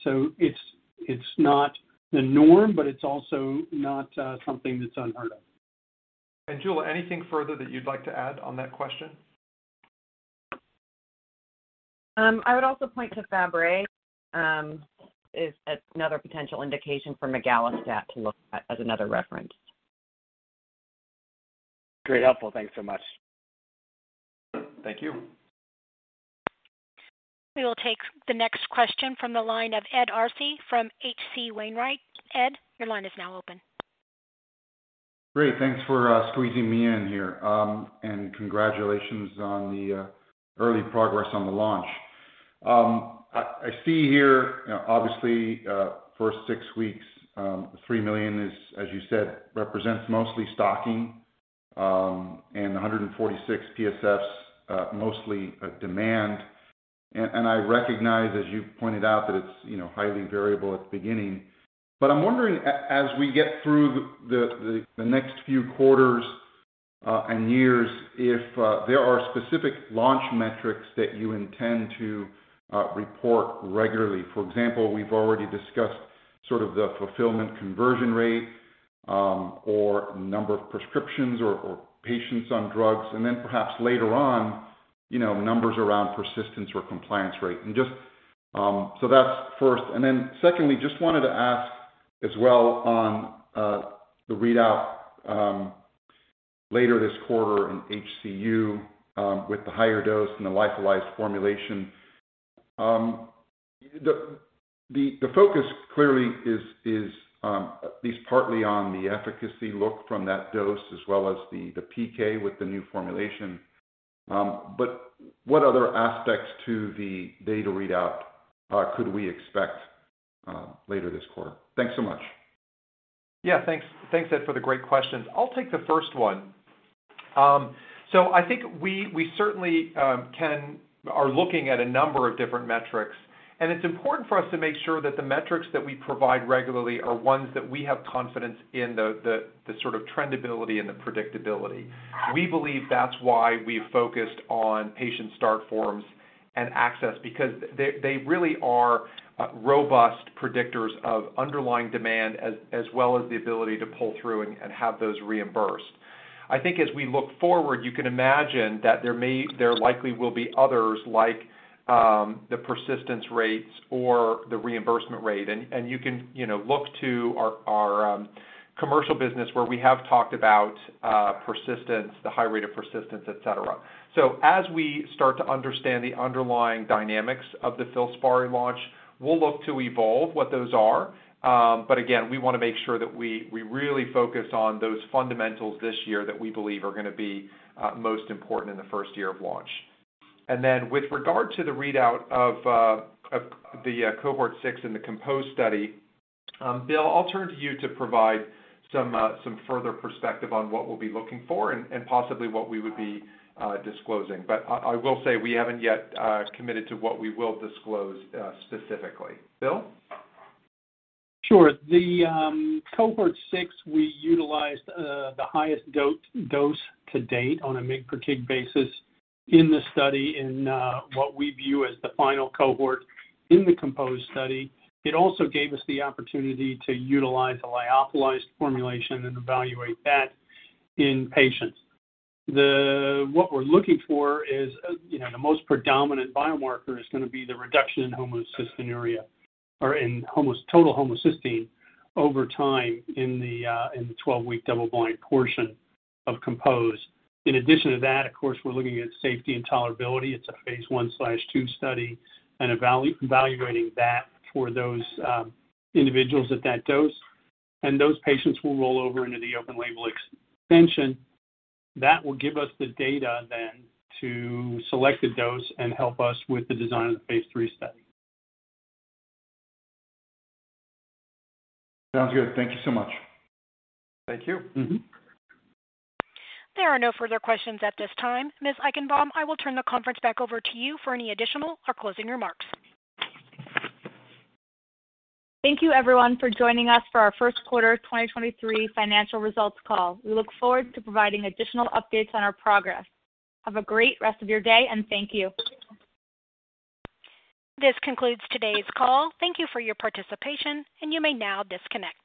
It's not the norm, but it's also not something that's unheard of. Jules, anything further that you'd like to add on that question? I would also point to Fabry, is another potential indication for migalastat to look at as another reference. Great, helpful. Thanks so much. Thank you. We will take the next question from the line of Ed Arce from H.C. Wainwright. Ed, your line is now open. Great. Thanks for squeezing me in here. Congratulations on the early progress on the launch. I see here, obviously, first six weeks, $3 million is, as you said, represents mostly stocking, and 146 PSFs, mostly demand. I recognize, as you pointed out, that it's, you know, highly variable at the beginning. I'm wondering as we get through the next few quarters and years, if there are specific launch metrics that you intend to report regularly. For example, we've already discussed sort of the fulfillment conversion rate, or number of prescriptions or patients on drugs, and then perhaps later on, you know, numbers around persistence or compliance rate. Just, so that's first. Secondly, just wanted to ask as well on the readout later this quarter in HCU with the higher dose and the lyophilized formulation. The focus clearly is at least partly on the efficacy look from that dose as well as the PK with the new formulation. What other aspects to the data readout could we expect later this quarter? Thanks so much. Yeah, thanks. Thanks, Ed, for the great questions. I'll take the first one. I think we certainly are looking at a number of different metrics, and it's important for us to make sure that the metrics that we provide regularly are ones that we have confidence in the sort of trendability and the predictability. We believe that's why we focused on Patient Start Forms and access, because they really are robust predictors of underlying demand as well as the ability to pull through and have those reimbursed. I think as we look forward, you can imagine that there likely will be others like the persistence rates or the reimbursement rate. You can, you know, look to our commercial business where we have talked about persistence, the high rate of persistence, et cetera. As we start to understand the underlying dynamics of the FILSPARI launch, we'll look to evolve what those are. But again, we wanna make sure that we really focus on those fundamentals this year that we believe are gonna be most important in the first year of launch. With regard to the readout of the cohort six in the COMPOSE study, Bill, I'll turn to you to provide some further perspective on what we'll be looking for and possibly what we would be disclosing. I will say we haven't yet committed to what we will disclose specifically. Bill? Sure. The cohort six, we utilized the highest dose to date on a mg per kg basis in the study in what we view as the final cohort in the COMPOSE study. It also gave us the opportunity to utilize a lyophilized formulation and evaluate that in patients. What we're looking for is, you know, the most predominant biomarker is gonna be the reduction in homocystinuria or total homocysteine over time in the 12-week double-blind portion of COMPOSE. In addition to that, of course, we're looking at safety and tolerability. It's a phase 1/2 study and evaluating that for those individuals at that dose. Those patients will roll over into the open label extension. That will give us the data then to select the dose and help us with the design of the phase 3 study. Sounds good. Thank you so much. Thank you. Mm-hmm. There are no further questions at this time. Ms. Eichenbaum, I will turn the conference back over to you for any additional or closing remarks. Thank you, everyone, for joining us for our first quarter of 2023 financial results call. We look forward to providing additional updates on our progress. Have a great rest of your day. Thank you. This concludes today's call. Thank you for your participation, and you may now disconnect.